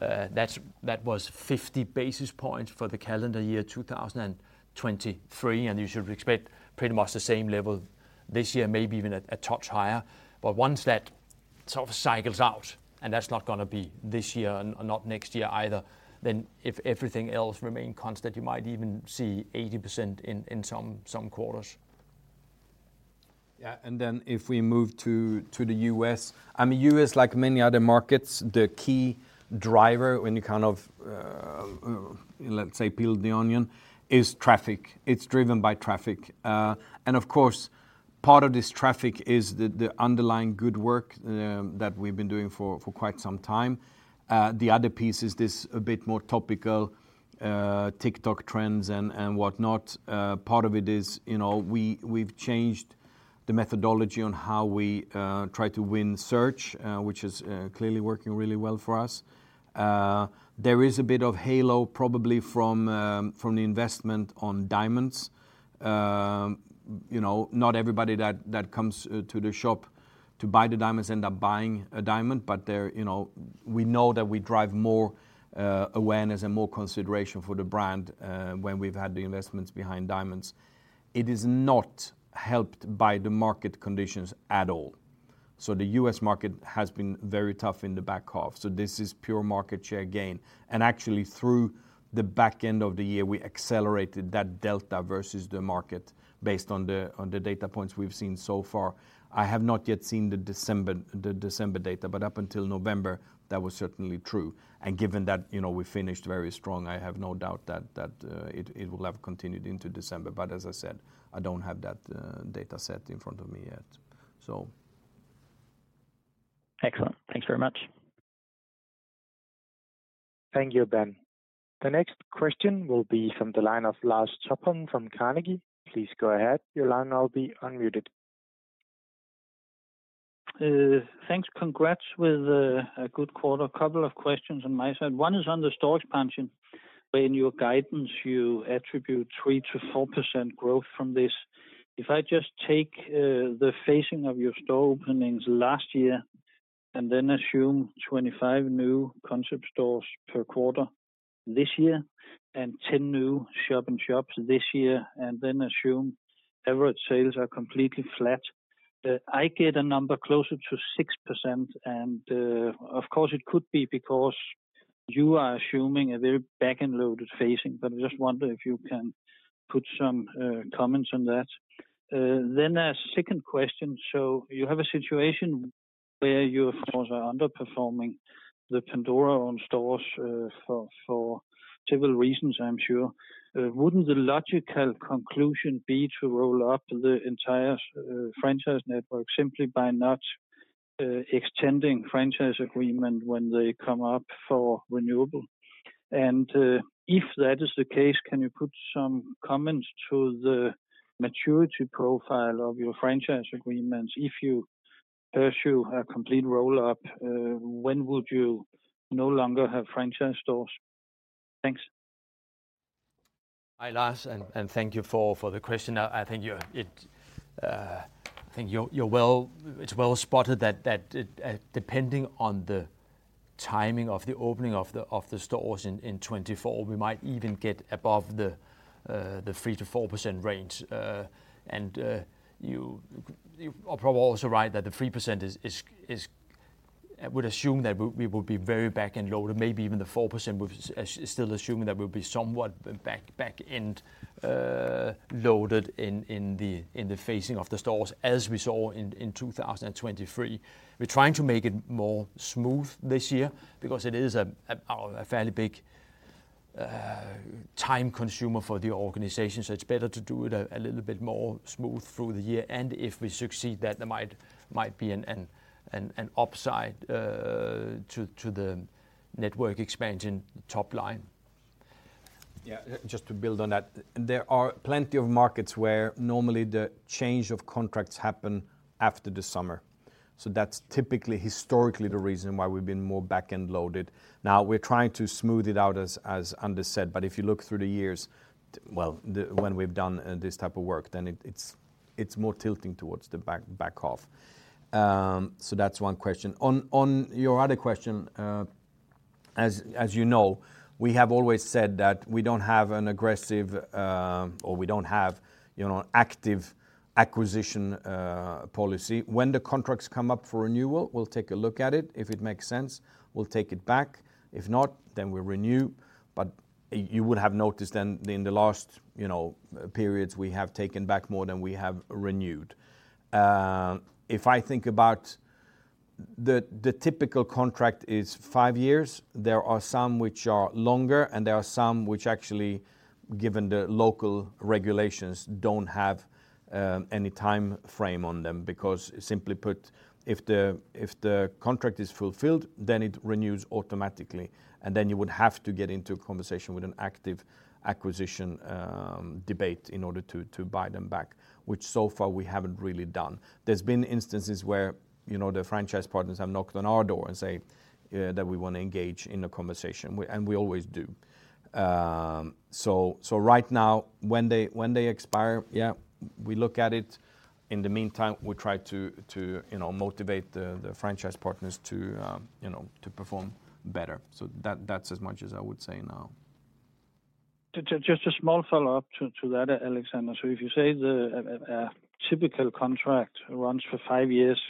That was 50 basis points for the calendar year 2023, and you should expect pretty much the same level this year, maybe even a touch higher. But once that sort of cycles out, and that's not gonna be this year and not next year either, then if everything else remain constant, you might even see 80% in some quarters. Yeah, and then if we move to the U.S. I mean, U.S., like many other markets, the key driver when you kind of, let's say, peel the onion, is traffic. It's driven by traffic. And of course, part of this traffic is the underlying good work that we've been doing for quite some time. The other piece is this a bit more topical TikTok trends and whatnot. Part of it is, you know, we've changed the methodology on how we try to win search, which is clearly working really well for us. There is a bit of halo probably from the investment on diamonds. You know, not everybody that comes to the shop to buy the diamonds end up buying a diamond, but they're, you know, we know that we drive more awareness and more consideration for the brand when we've had the investments behind diamonds. It is not helped by the market conditions at all. So the U.S. market has been very tough in the back half, so this is pure market share gain. And actually, through the back end of the year, we accelerated that delta versus the market, based on the data points we've seen so far. I have not yet seen the December data, but up until November, that was certainly true, and given that, you know, we finished very strong, I have no doubt that it will have continued into December. But as I said, I don't have that data set in front of me yet, so... Excellent. Thanks very much. Thank you, Ben. The next question will be from the line of Lars Topholm from Carnegie. Please go ahead. Your line now will be unmuted. Thanks. Congrats with a good quarter. A couple of questions on my side. One is on the store expansion. In your guidance, you attribute 3%-4% growth from this. If I just take the phasing of your store openings last year, and then assume 25 new concept stores per quarter this year, and 10 new shop-in-shops this year, and then assume average sales are completely flat, I get a number closer to 6%, and, of course, it could be because you are assuming a very back-end loaded phasing, but I just wonder if you can put some comments on that. Then a second question: so you have a situation where your stores are underperforming the Pandora-owned stores, for several reasons, I'm sure. Wouldn't the logical conclusion be to roll up the entire franchise network simply by not extending franchise agreement when they come up for renewal? If that is the case, can you put some comments to the maturity profile of your franchise agreements? If you pursue a complete roll-up, when would you no longer have franchise stores? Thanks. Hi, Lars, and thank you for the question. I think you're well—it's well spotted that, depending on the timing of the opening of the stores in 2024, we might even get above the 3%-4% range. You are probably also right that the 3% would assume that we would be very back-end loaded, maybe even the 4%, which is still assuming that we'll be somewhat back-end loaded in the phasing of the stores, as we saw in 2023. We're trying to make it more smooth this year because it is a fairly big time consumer for the organization, so it's better to do it a little bit more smooth through the year. And if we succeed, that there might be an upside to the network expansion top line. Yeah, just to build on that, there are plenty of markets where normally the change of contracts happen after the summer. So that's typically historically the reason why we've been more back-end loaded. Now, we're trying to smooth it out, as Anders said, but if you look through the years, well, when we've done this type of work, then it's more tilting towards the back half. So that's one question. On your other question, as you know, we have always said that we don't have an aggressive or we don't have, you know, an active acquisition policy. When the contracts come up for renewal, we'll take a look at it. If it makes sense, we'll take it back. If not, then we renew. But you would have noticed then in the last, you know, periods, we have taken back more than we have renewed. If I think about the typical contract is five years. There are some which are longer, and there are some which actually, given the local regulations, don't have any time frame on them because simply put, if the contract is fulfilled, then it renews automatically, and then you would have to get into a conversation with an active acquisition debate in order to buy them back, which so far we haven't really done. There's been instances where, you know, the franchise partners have knocked on our door and say that we wanna engage in a conversation, and we always do. So right now, when they expire, yeah, we look at it. In the meantime, we try to you know motivate the franchise partners to you know to perform better. So that's as much as I would say now. Just a small follow-up to that, Alexander. So if you say a typical contract runs for five years,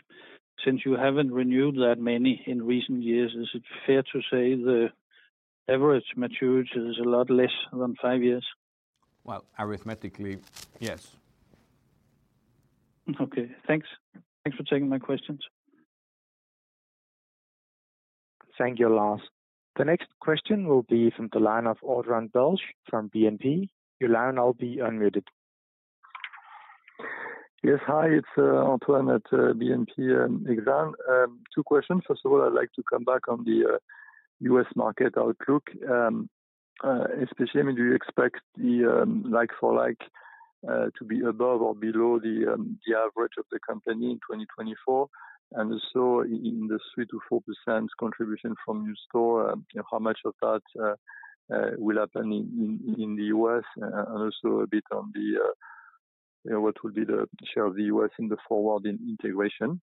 since you haven't renewed that many in recent years, is it fair to say the average maturity is a lot less than five years? Well, arithmetically, yes. Okay, thanks. Thanks for taking my questions. Thank you, Lars. The next question will be from the line of Antoine Belge from BNP. Your line will be unmuted. Yes, hi, it's Antoine at BNP and Exane. Two questions. First of all, I'd like to come back on the U.S. market outlook. Especially, I mean, do you expect the like-for-like to be above or below the average of the company in 2024? And also in the 3%-4% contribution from new store, how much of that will happen in the U.S.? And also a bit on the what will be the share of the U.S. in the forward in integration.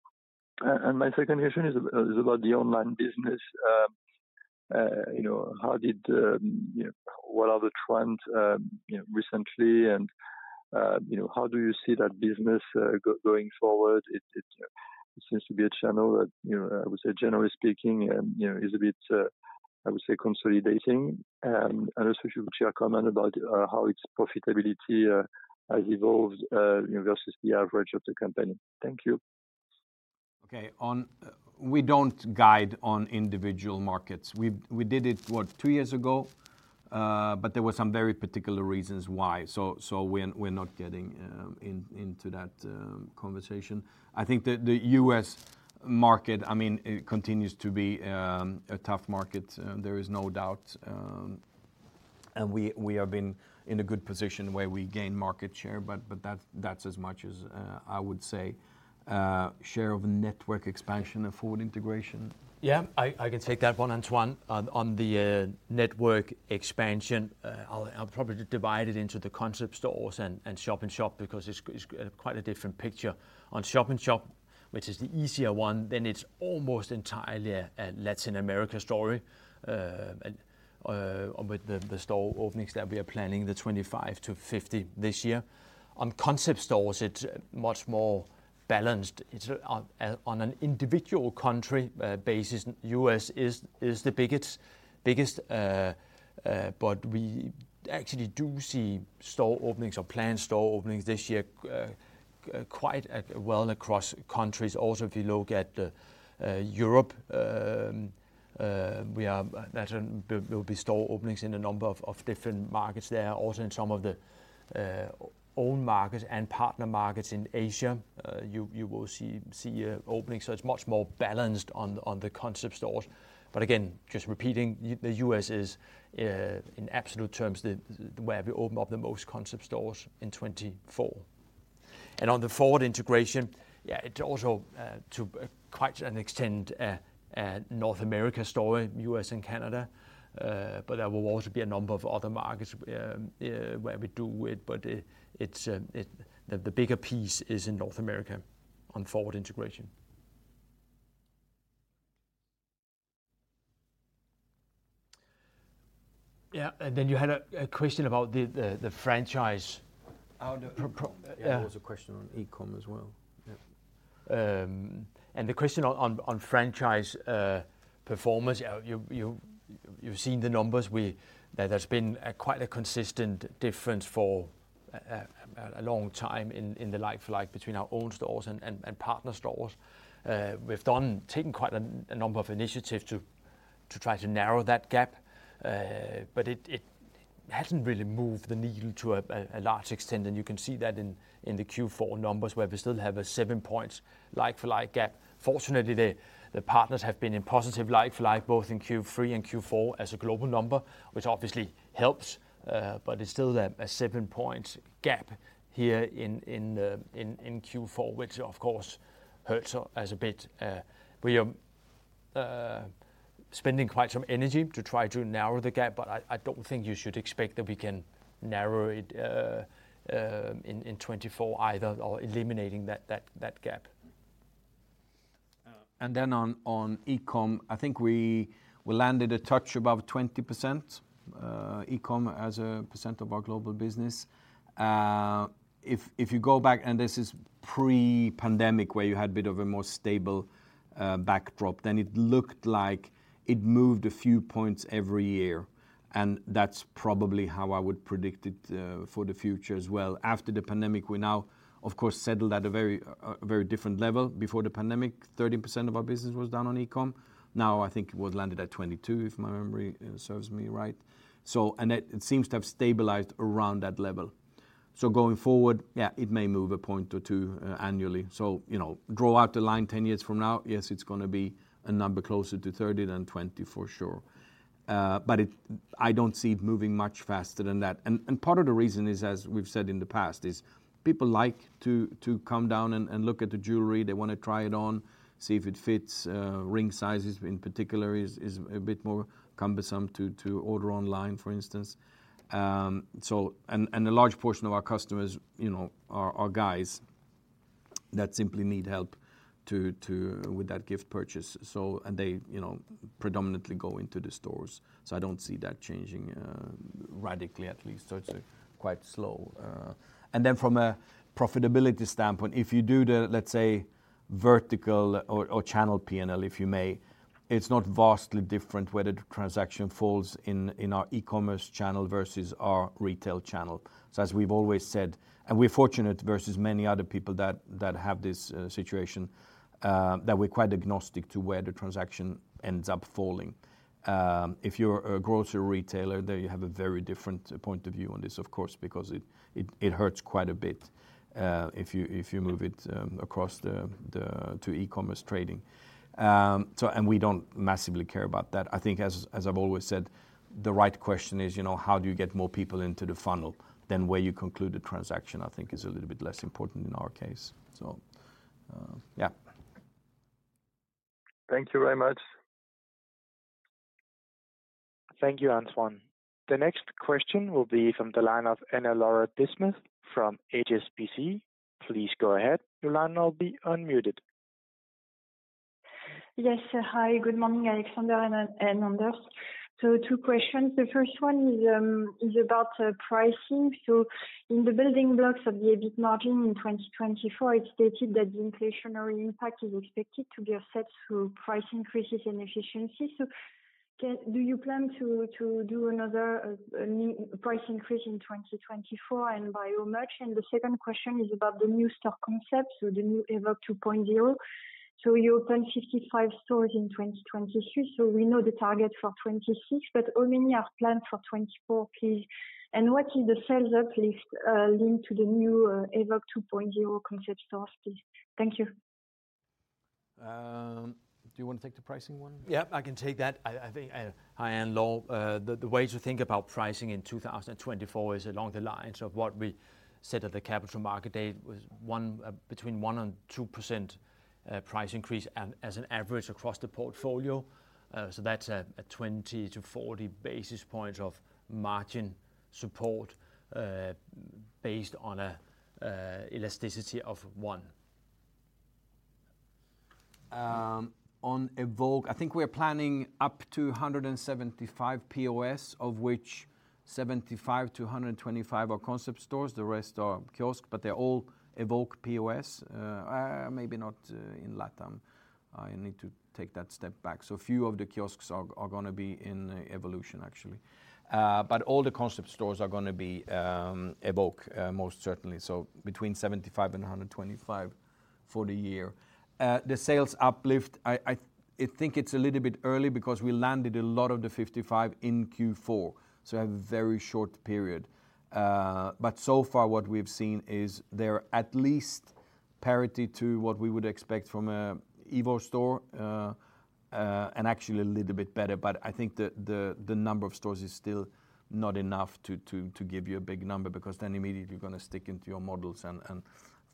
And my second question is about the online business. You know, how did you know... What are the trends, you know, recently, and you know, how do you see that business going forward? It seems to be a channel that, you know, I would say, generally speaking, you know, is a bit, I would say, consolidating. And also if you could share a comment about how its profitability has evolved, you know, versus the average of the company. Thank you. Okay. We don't guide on individual markets. We did it two years ago, but there were some very particular reasons why. So we're not getting into that conversation. I think the U.S. market, I mean, it continues to be a tough market, there is no doubt, and we have been in a good position where we gain market share, but that's as much as I would say. Share of network expansion and forward integration. Yeah, I can take that one, Antoine. On the network expansion, I'll probably divide it into the concept stores and shop-in-shop, because it's quite a different picture. On shop-in-shop, which is the easier one, then it's almost entirely a Latin America story, and with the store openings that we are planning, the 25-50 this year. On concept stores, it's much more balanced. It's on an individual country basis, U.S. is the biggest. But we actually do see store openings or planned store openings this year quite well across countries. Also, if you look at Europe, we are-- there will be store openings in a number of different markets there. Also, in some of the own markets and partner markets in Asia, you will see opening, so it's much more balanced on the concept stores. But again, just repeating, the U.S. is in absolute terms the where we open up the most concept stores in 2024. And on the forward integration, yeah, it also to quite an extent North America story, U.S. and Canada, but there will also be a number of other markets where we do it, but it's the bigger piece is in North America on forward integration. Yeah, and then you had a question about the franchise, how the pro- pro- Yeah, there was a question on e-com as well. Yeah. And the question on franchise performance. You've seen the numbers, that there's been quite a consistent difference for a long time in the like-for-like between our own stores and partner stores. We've taken quite a number of initiatives to try to narrow that gap. But it hasn't really moved the needle to a large extent, and you can see that in the Q4 numbers, where we still have a 7-point like-for-like gap. Fortunately, the partners have been in positive like-for-like, both in Q3 and Q4 as a global number, which obviously helps, but it's still a 7-point gap here in the Q4, which of course hurts us a bit. We are spending quite some energy to try to narrow the gap, but I don't think you should expect that we can narrow it in 2024, either, or eliminating that gap. And then on e-com, I think we landed a touch above 20%, e-com as a percent of our global business. If you go back, and this is pre-pandemic, where you had a bit of a more stable backdrop, then it looked like it moved a few points every year, and that's probably how I would predict it for the future as well. After the pandemic, we now, of course, settled at a very, very different level. Before the pandemic, 13% of our business was done on e-com. Now, I think it was landed at 22, if my memory serves me right. So and it seems to have stabilized around that level. So going forward, yeah, it may move a point or two annually. So, you know, draw out the line 10 years from now, yes, it's gonna be a number closer to 30 than 20, for sure. But it. I don't see it moving much faster than that. And part of the reason is, as we've said in the past, is people like to come down and look at the jewelry. They wanna try it on, see if it fits. Ring sizes, in particular, is a bit more cumbersome to order online, for instance. So, and a large portion of our customers, you know, are guys that simply need help to with that gift purchase, so and they, you know, predominantly go into the stores. So I don't see that changing, radically at least. So it's quite slow. And then from a profitability standpoint, if you do the, let's say, vertical or, or channel P&L, if you may, it's not vastly different whether the transaction falls in, in our e-commerce channel versus our retail channel. So as we've always said, and we're fortunate versus many other people that, that have this situation, that we're quite agnostic to where the transaction ends up falling. If you're a grocery retailer, then you have a very different point of view on this, of course, because it, it, it hurts quite a bit, if you, if you move it, across the, the, to e-commerce trading. So and we don't massively care about that. I think, as, as I've always said, the right question is, you know, how do you get more people into the funnel than where you conclude the transaction? I think is a little bit less important in our case. So, yeah. Thank you very much. Thank you, Antoine. The next question will be from the line of Anne-Laure Bismuth from HSBC. Please go ahead. Your line will be unmuted. Yes. Hi, good morning, Alexander and Anders. So two questions. The first one is about pricing. So in the building blocks of the EBIT margin in 2024, it stated that the inflationary impact is expected to be offset through price increases in efficiency. So do you plan to do another a new price increase in 2024 and by how much? And the second question is about the new store concept, so the new Evoke 2.0. So you open 55 stores in 2023, so we know the target for 2026, but how many are planned for 2024, please? And what is the sales uplift linked to the new Evoke 2.0 concept stores, please? Thank you. Do you want to take the pricing one? Yeah, I can take that. I think, hi, Anne-Laure. The way to think about pricing in 2024 is along the lines of what we said at the Capital Markets Day, was one, between 1% and 2% price increase as an average across the portfolio. So that's a 20-40 basis points of margin support, based on an elasticity of one. On Evoke, I think we're planning up to 175 PoS, of which 75-125 are concept stores. The rest are kiosks, but they're all Evoke PoS. Maybe not in LatAm. I need to take that step back. So a few of the kiosks are gonna be in evolution, actually. But all the concept stores are gonna be Evoke, most certainly, so between 75 and 125 for the year. The sales uplift, I think it's a little bit early because we landed a lot of the 55 in Q4, so a very short period. But so far, what we've seen is they're at least parity to what we would expect from a Evoke store, and actually a little bit better, but I think the number of stores is still not enough to give you a big number, because then immediately you're gonna stick into your models and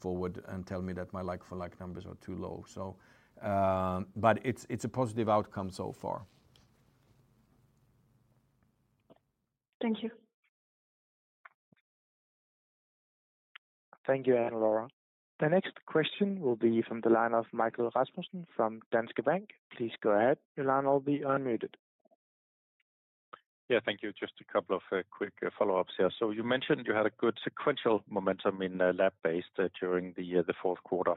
forward and tell me that my like-for-like numbers are too low. But it's a positive outcome so far. Thank you. Thank you, Anne-Laure. The next question will be from the line of Michael Rasmussen from Danske Bank. Please go ahead. Your line will be unmuted. Yeah, thank you. Just a couple of quick follow-ups here. So you mentioned you had a good sequential momentum in lab-grown during the year, the fourth quarter.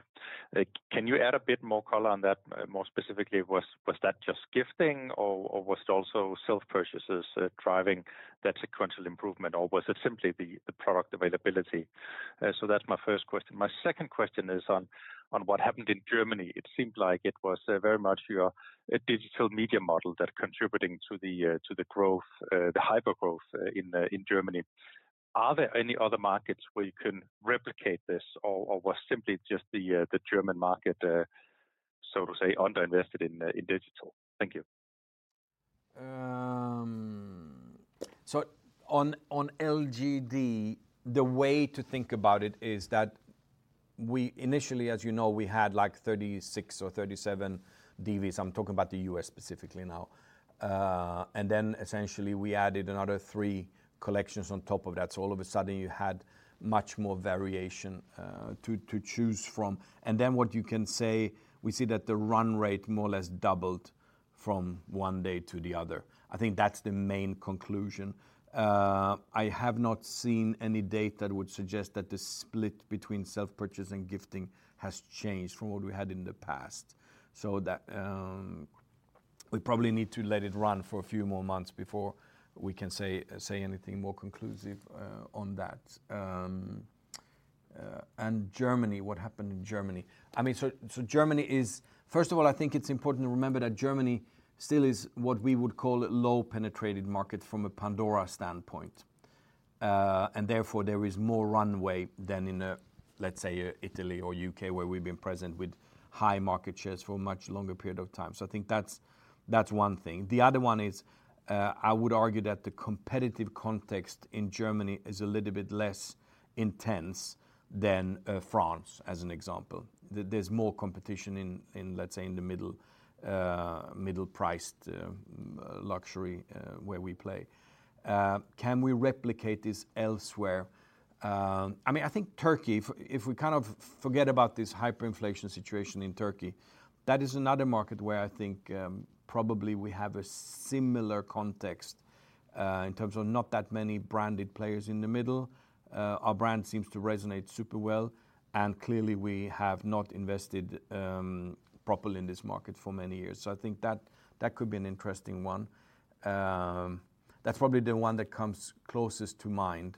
Can you add a bit more color on that? More specifically, was that just gifting or was it also self-purchases driving that sequential improvement, or was it simply the product availability? So that's my first question. My second question is on what happened in Germany. It seemed like it was very much your digital media model that contributing to the growth, the hypergrowth in Germany. Are there any other markets where you can replicate this, or was simply just the German market so to say underinvested in digital? Thank you. So on LGD, the way to think about it is that we initially, as you know, we had like 36 or 37 DVs. I'm talking about the U.S. specifically now. And then essentially, we added another three collections on top of that. So all of a sudden, you had much more variation to choose from. And then what you can say, we see that the run rate more or less doubled from one day to the other. I think that's the main conclusion. I have not seen any data that would suggest that the split between self-purchase and gifting has changed from what we had in the past. So that we probably need to let it run for a few more months before we can say anything more conclusive on that. And Germany, what happened in Germany? I mean, Germany is... First of all, I think it's important to remember that Germany still is what we would call a low-penetrated market from a Pandora standpoint. And therefore, there is more runway than in, let's say, Italy or U.K., where we've been present with high market shares for a much longer period of time. So I think that's one thing. The other one is, I would argue that the competitive context in Germany is a little bit less intense than France, as an example. There's more competition in, let's say, the middle-priced luxury where we play. Can we replicate this elsewhere? I mean, I think Turkey, if we kind of forget about this hyperinflation situation in Turkey, that is another market where I think, probably we have a similar context, in terms of not that many branded players in the middle. Our brand seems to resonate super well, and clearly, we have not invested, properly in this market for many years. So I think that could be an interesting one. That's probably the one that comes closest to mind,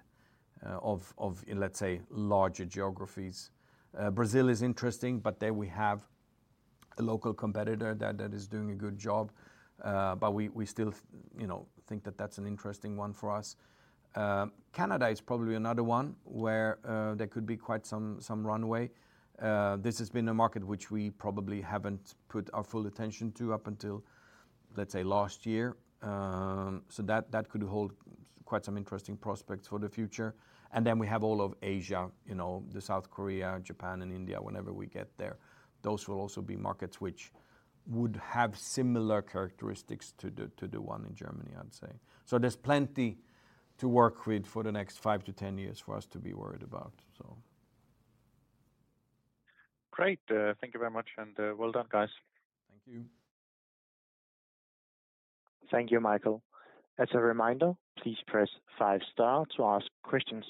of, let's say, larger geographies. Brazil is interesting, but there we have a local competitor that is doing a good job, but we still, you know, think that that's an interesting one for us. Canada is probably another one where there could be quite some runway. This has been a market which we probably haven't put our full attention to up until, let's say, last year. So that could hold quite some interesting prospects for the future. And then we have all of Asia, you know, the South Korea, Japan and India, whenever we get there. Those will also be markets which would have similar characteristics to the one in Germany, I'd say. So there's plenty to work with for the next five to 10 years for us to be worried about, so. Great, thank you very much, and well done, guys. Thank you. Thank you, Michael. As a reminder, please press five star to ask questions.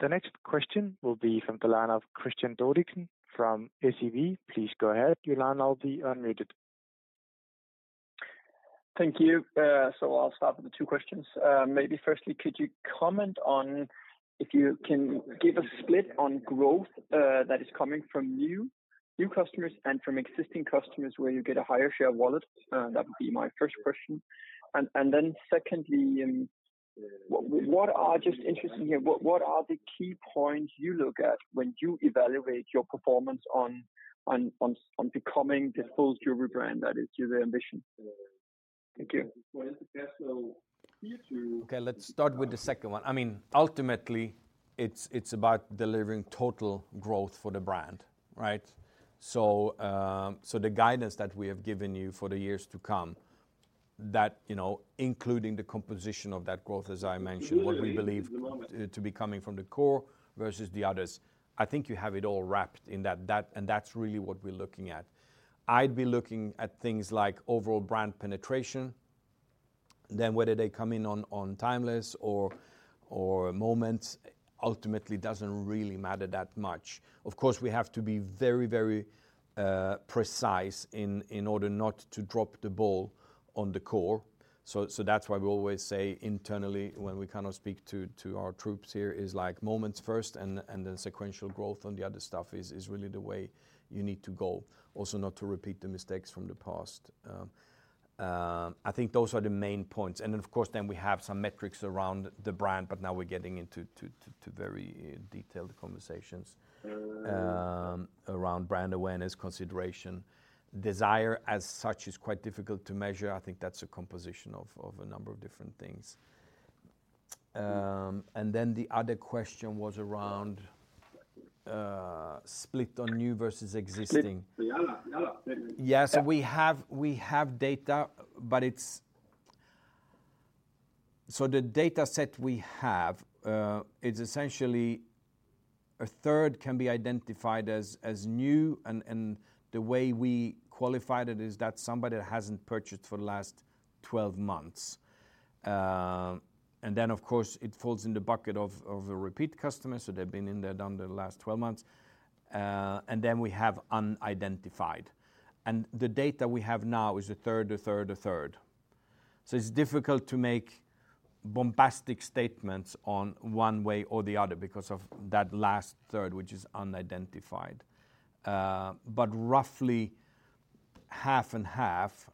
The next question will be from the line of Kristian Godiksen from SEB. Please go ahead. Your line will be unmuted. Thank you. So I'll start with the two questions. Maybe firstly, could you comment on if you can give a split on growth that is coming from new customers and from existing customers where you get a higher share of wallet? That would be my first question. And then secondly, what are just interesting here, what are the key points you look at when you evaluate your performance on becoming this full jewelry brand that is your ambition? Thank you. Okay, let's start with the second one. I mean, ultimately, it's about delivering total growth for the brand, right? So, the guidance that we have given you for the years to come, that, you know, including the composition of that growth, as I mentioned, what we believe to be coming from the core versus the others, I think you have it all wrapped in that, and that's really what we're looking at. I'd be looking at things like overall brand penetration, then whether they come in on Timeless or Moments, ultimately doesn't really matter that much. Of course, we have to be very, very precise in order not to drop the ball on the core. So that's why we always say internally, when we kind of speak to our troops here, is like Moments first and then sequential growth on the other stuff is really the way you need to go. Also, not to repeat the mistakes from the past. I think those are the main points. And then, of course, we have some metrics around the brand, but now we're getting into very detailed conversations around brand awareness, consideration. Desire, as such, is quite difficult to measure. I think that's a composition of a number of different things. And then the other question was around split on new versus existing. Yes, so we have, we have data, but it's. So the data set we have is essentially a third can be identified as new, and the way we qualified it is that somebody that hasn't purchased for the last 12 months. And then, of course, it falls in the bucket of a repeat customer, so they've been in there in the last 12 months. And then we have unidentified. And the data we have now is a third, a third, a third. So it's difficult to make bombastic statements on one way or the other because of that last third, which is unidentified. But roughly half and half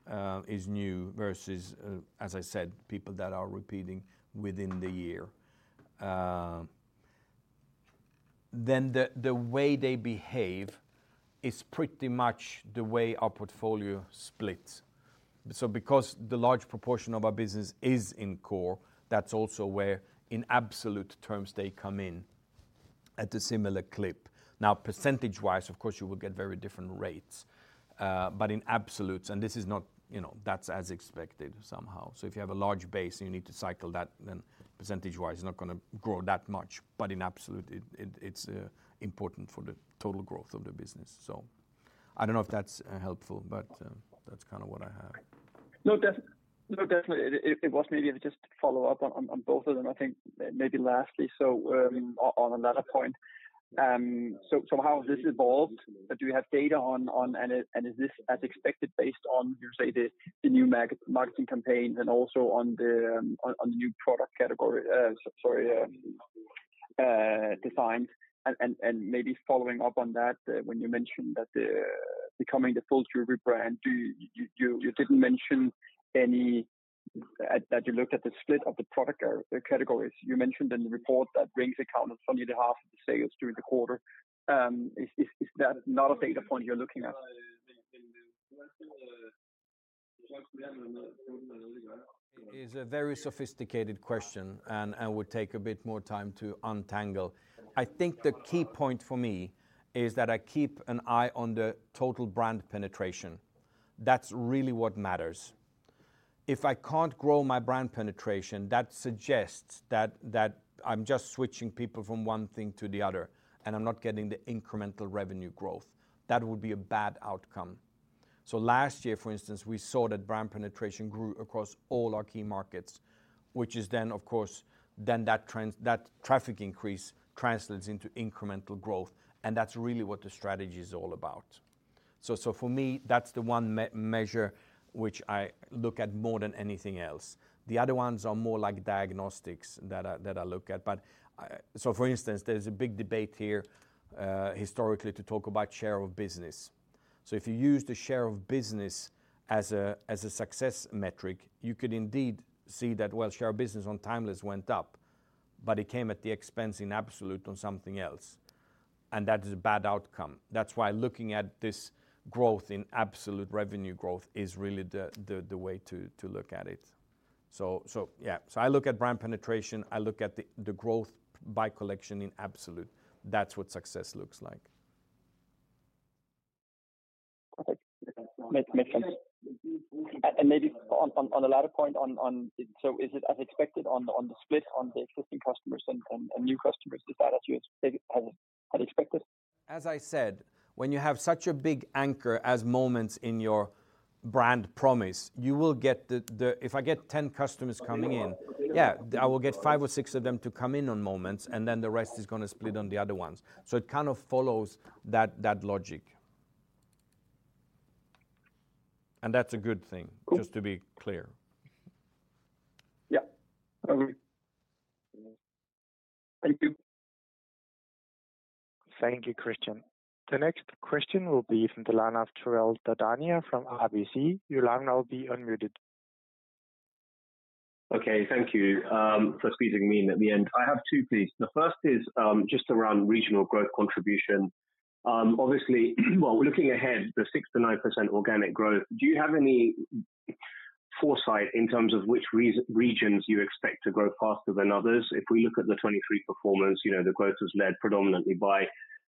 is new versus, as I said, people that are repeating within the year. Then the way they behave is pretty much the way our portfolio splits. So because the large proportion of our business is in core, that's also where, in absolute terms, they come in at a similar clip. Now, percentage-wise, of course, you will get very different rates, but in absolutes, and this is not, you know, that's as expected somehow. So if you have a large base and you need to cycle that, then percentage-wise, you're not gonna grow that much, but in absolute, it's important for the total growth of the business. So I don't know if that's helpful, but that's kind of what I have. No, definitely, it was. Maybe just to follow up on both of them, I think maybe lastly, so on another point, so how has this evolved? Do you have data on and is this as expected, based on, you say, the new marketing campaigns and also on the new product category, sorry, designs? And maybe following up on that, when you mentioned that the becoming the full jewelry brand, do you you didn't mention any that you looked at the split of the product categories. You mentioned in the report that rings accounted for nearly half of the sales during the quarter. Is that not a data point you're looking at? It is a very sophisticated question, and would take a bit more time to untangle. I think the key point for me is that I keep an eye on the total brand penetration. That's really what matters. If I can't grow my brand penetration, that suggests that I'm just switching people from one thing to the other, and I'm not getting the incremental revenue growth. That would be a bad outcome. So last year, for instance, we saw that brand penetration grew across all our key markets, which is then, of course, that traffic increase translates into incremental growth, and that's really what the strategy is all about. So for me, that's the one measure which I look at more than anything else. The other ones are more like diagnostics that I look at. But, so for instance, there's a big debate here, historically, to talk about share of business. So if you use the share of business as a success metric, you could indeed see that, well, share of business on Timeless went up, but it came at the expense, in absolute, on something else, and that is a bad outcome. That's why looking at this growth in absolute revenue growth is really the way to look at it. So yeah. So I look at brand penetration, I look at the growth by collection in absolute. That's what success looks like. Perfect. Makes sense. And maybe on the latter point... So is it as expected on the split on the existing customers and new customers? Is that as you had expected? As I said, when you have such a big anchor as Moments in your brand promise, you will get... If I get 10 customers coming in- Mm-hmm. Yeah, I will get five or six of them to come in on Moments, and then the rest is gonna split on the other ones. So it kind of follows that, that logic. And that's a good thing. Cool. Just to be clear. Yeah. Agree. Thank you. Thank you, Kristian. The next question will be from Piral Dadhania from RBC. Piral, you'll now be unmuted. Okay, thank you for squeezing me in at the end. I have two, please. The first is just around regional growth contribution. Obviously, well, looking ahead, the 6%-9% organic growth, do you have any foresight in terms of which regions you expect to grow faster than others? If we look at the 2023 performance, you know, the growth was led predominantly by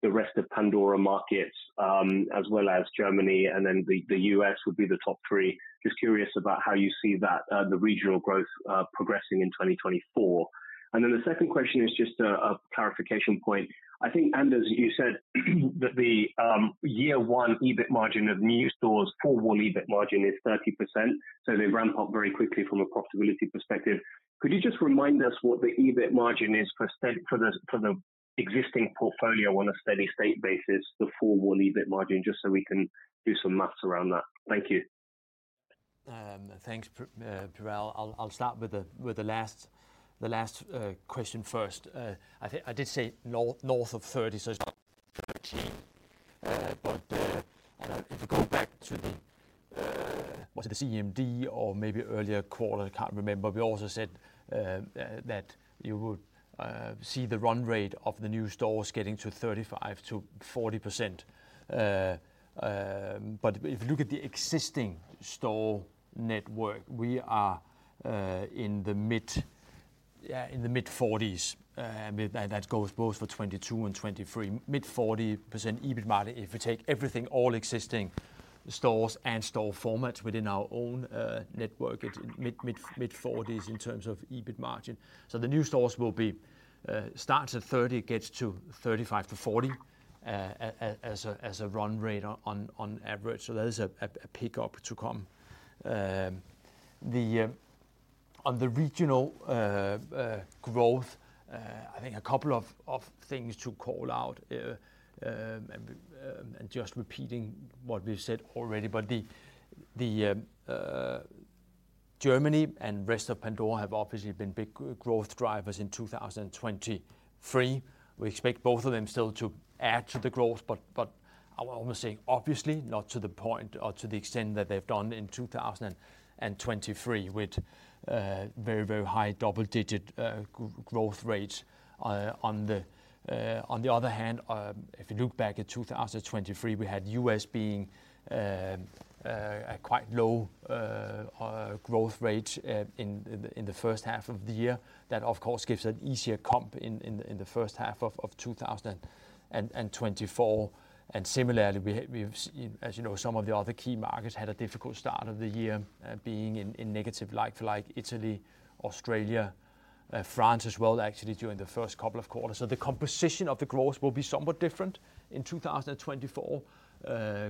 the rest of Pandora markets, as well as Germany, and then the U.S. would be the top three. Just curious about how you see that, the regional growth, progressing in 2024. And then the second question is just a clarification point. I think, Anders, you said, that the year one EBIT margin of new stores, full-blown EBIT margin is 30%, so they ramp up very quickly from a profitability perspective. Could you just remind us what the EBIT margin is for the existing portfolio on a steady-state basis, the full EBIT margin, just so we can do some math around that? Thank you. Thanks, Piral. I'll start with the last question first. I think I did say north of 30%, so it's not 13%. But if you go back to the, was it the CMD or maybe earlier quarter, I can't remember. We also said that you would see the run rate of the new stores getting to 35%-40%. But if you look at the existing store network, we are in the mid-40s%, and that goes both for 2022 and 2023. Mid-40% EBIT margin, if you take everything, all existing stores and store formats within our own network, it's mid-40s% in terms of EBIT margin. So the new stores will be starts at 30%, gets to 35%-40% as a run rate on average. So there is a pickup to come. On the regional growth, I think a couple of things to call out. And just repeating what we've said already, but Germany and rest of Pandora have obviously been big growth drivers in 2023. We expect both of them still to add to the growth, but I would almost say obviously not to the point or to the extent that they've done in 2023, with very, very high double-digit growth rates. On the other hand, if you look back at 2023, we had the U.S. being a quite low growth rate in the first half of the year. That, of course, gives an easier comp in the first half of 2024. And similarly, as you know, some of the other key markets had a difficult start of the year, being in negative like-for-like Italy, Australia, France as well, actually during the first couple of quarters. So the composition of the growth will be somewhat different in 2024,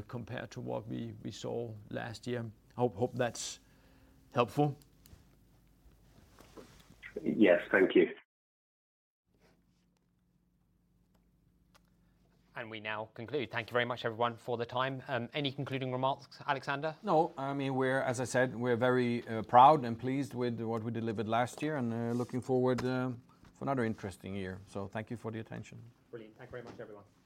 compared to what we saw last year. Hope that's helpful? Yes. Thank you. We now conclude. Thank you very much, everyone, for the time. Any concluding remarks, Alexander? No, I mean. As I said, we're very proud and pleased with what we delivered last year, and looking forward for another interesting year. So thank you for the attention. Brilliant. Thank you very much, everyone. Thank you.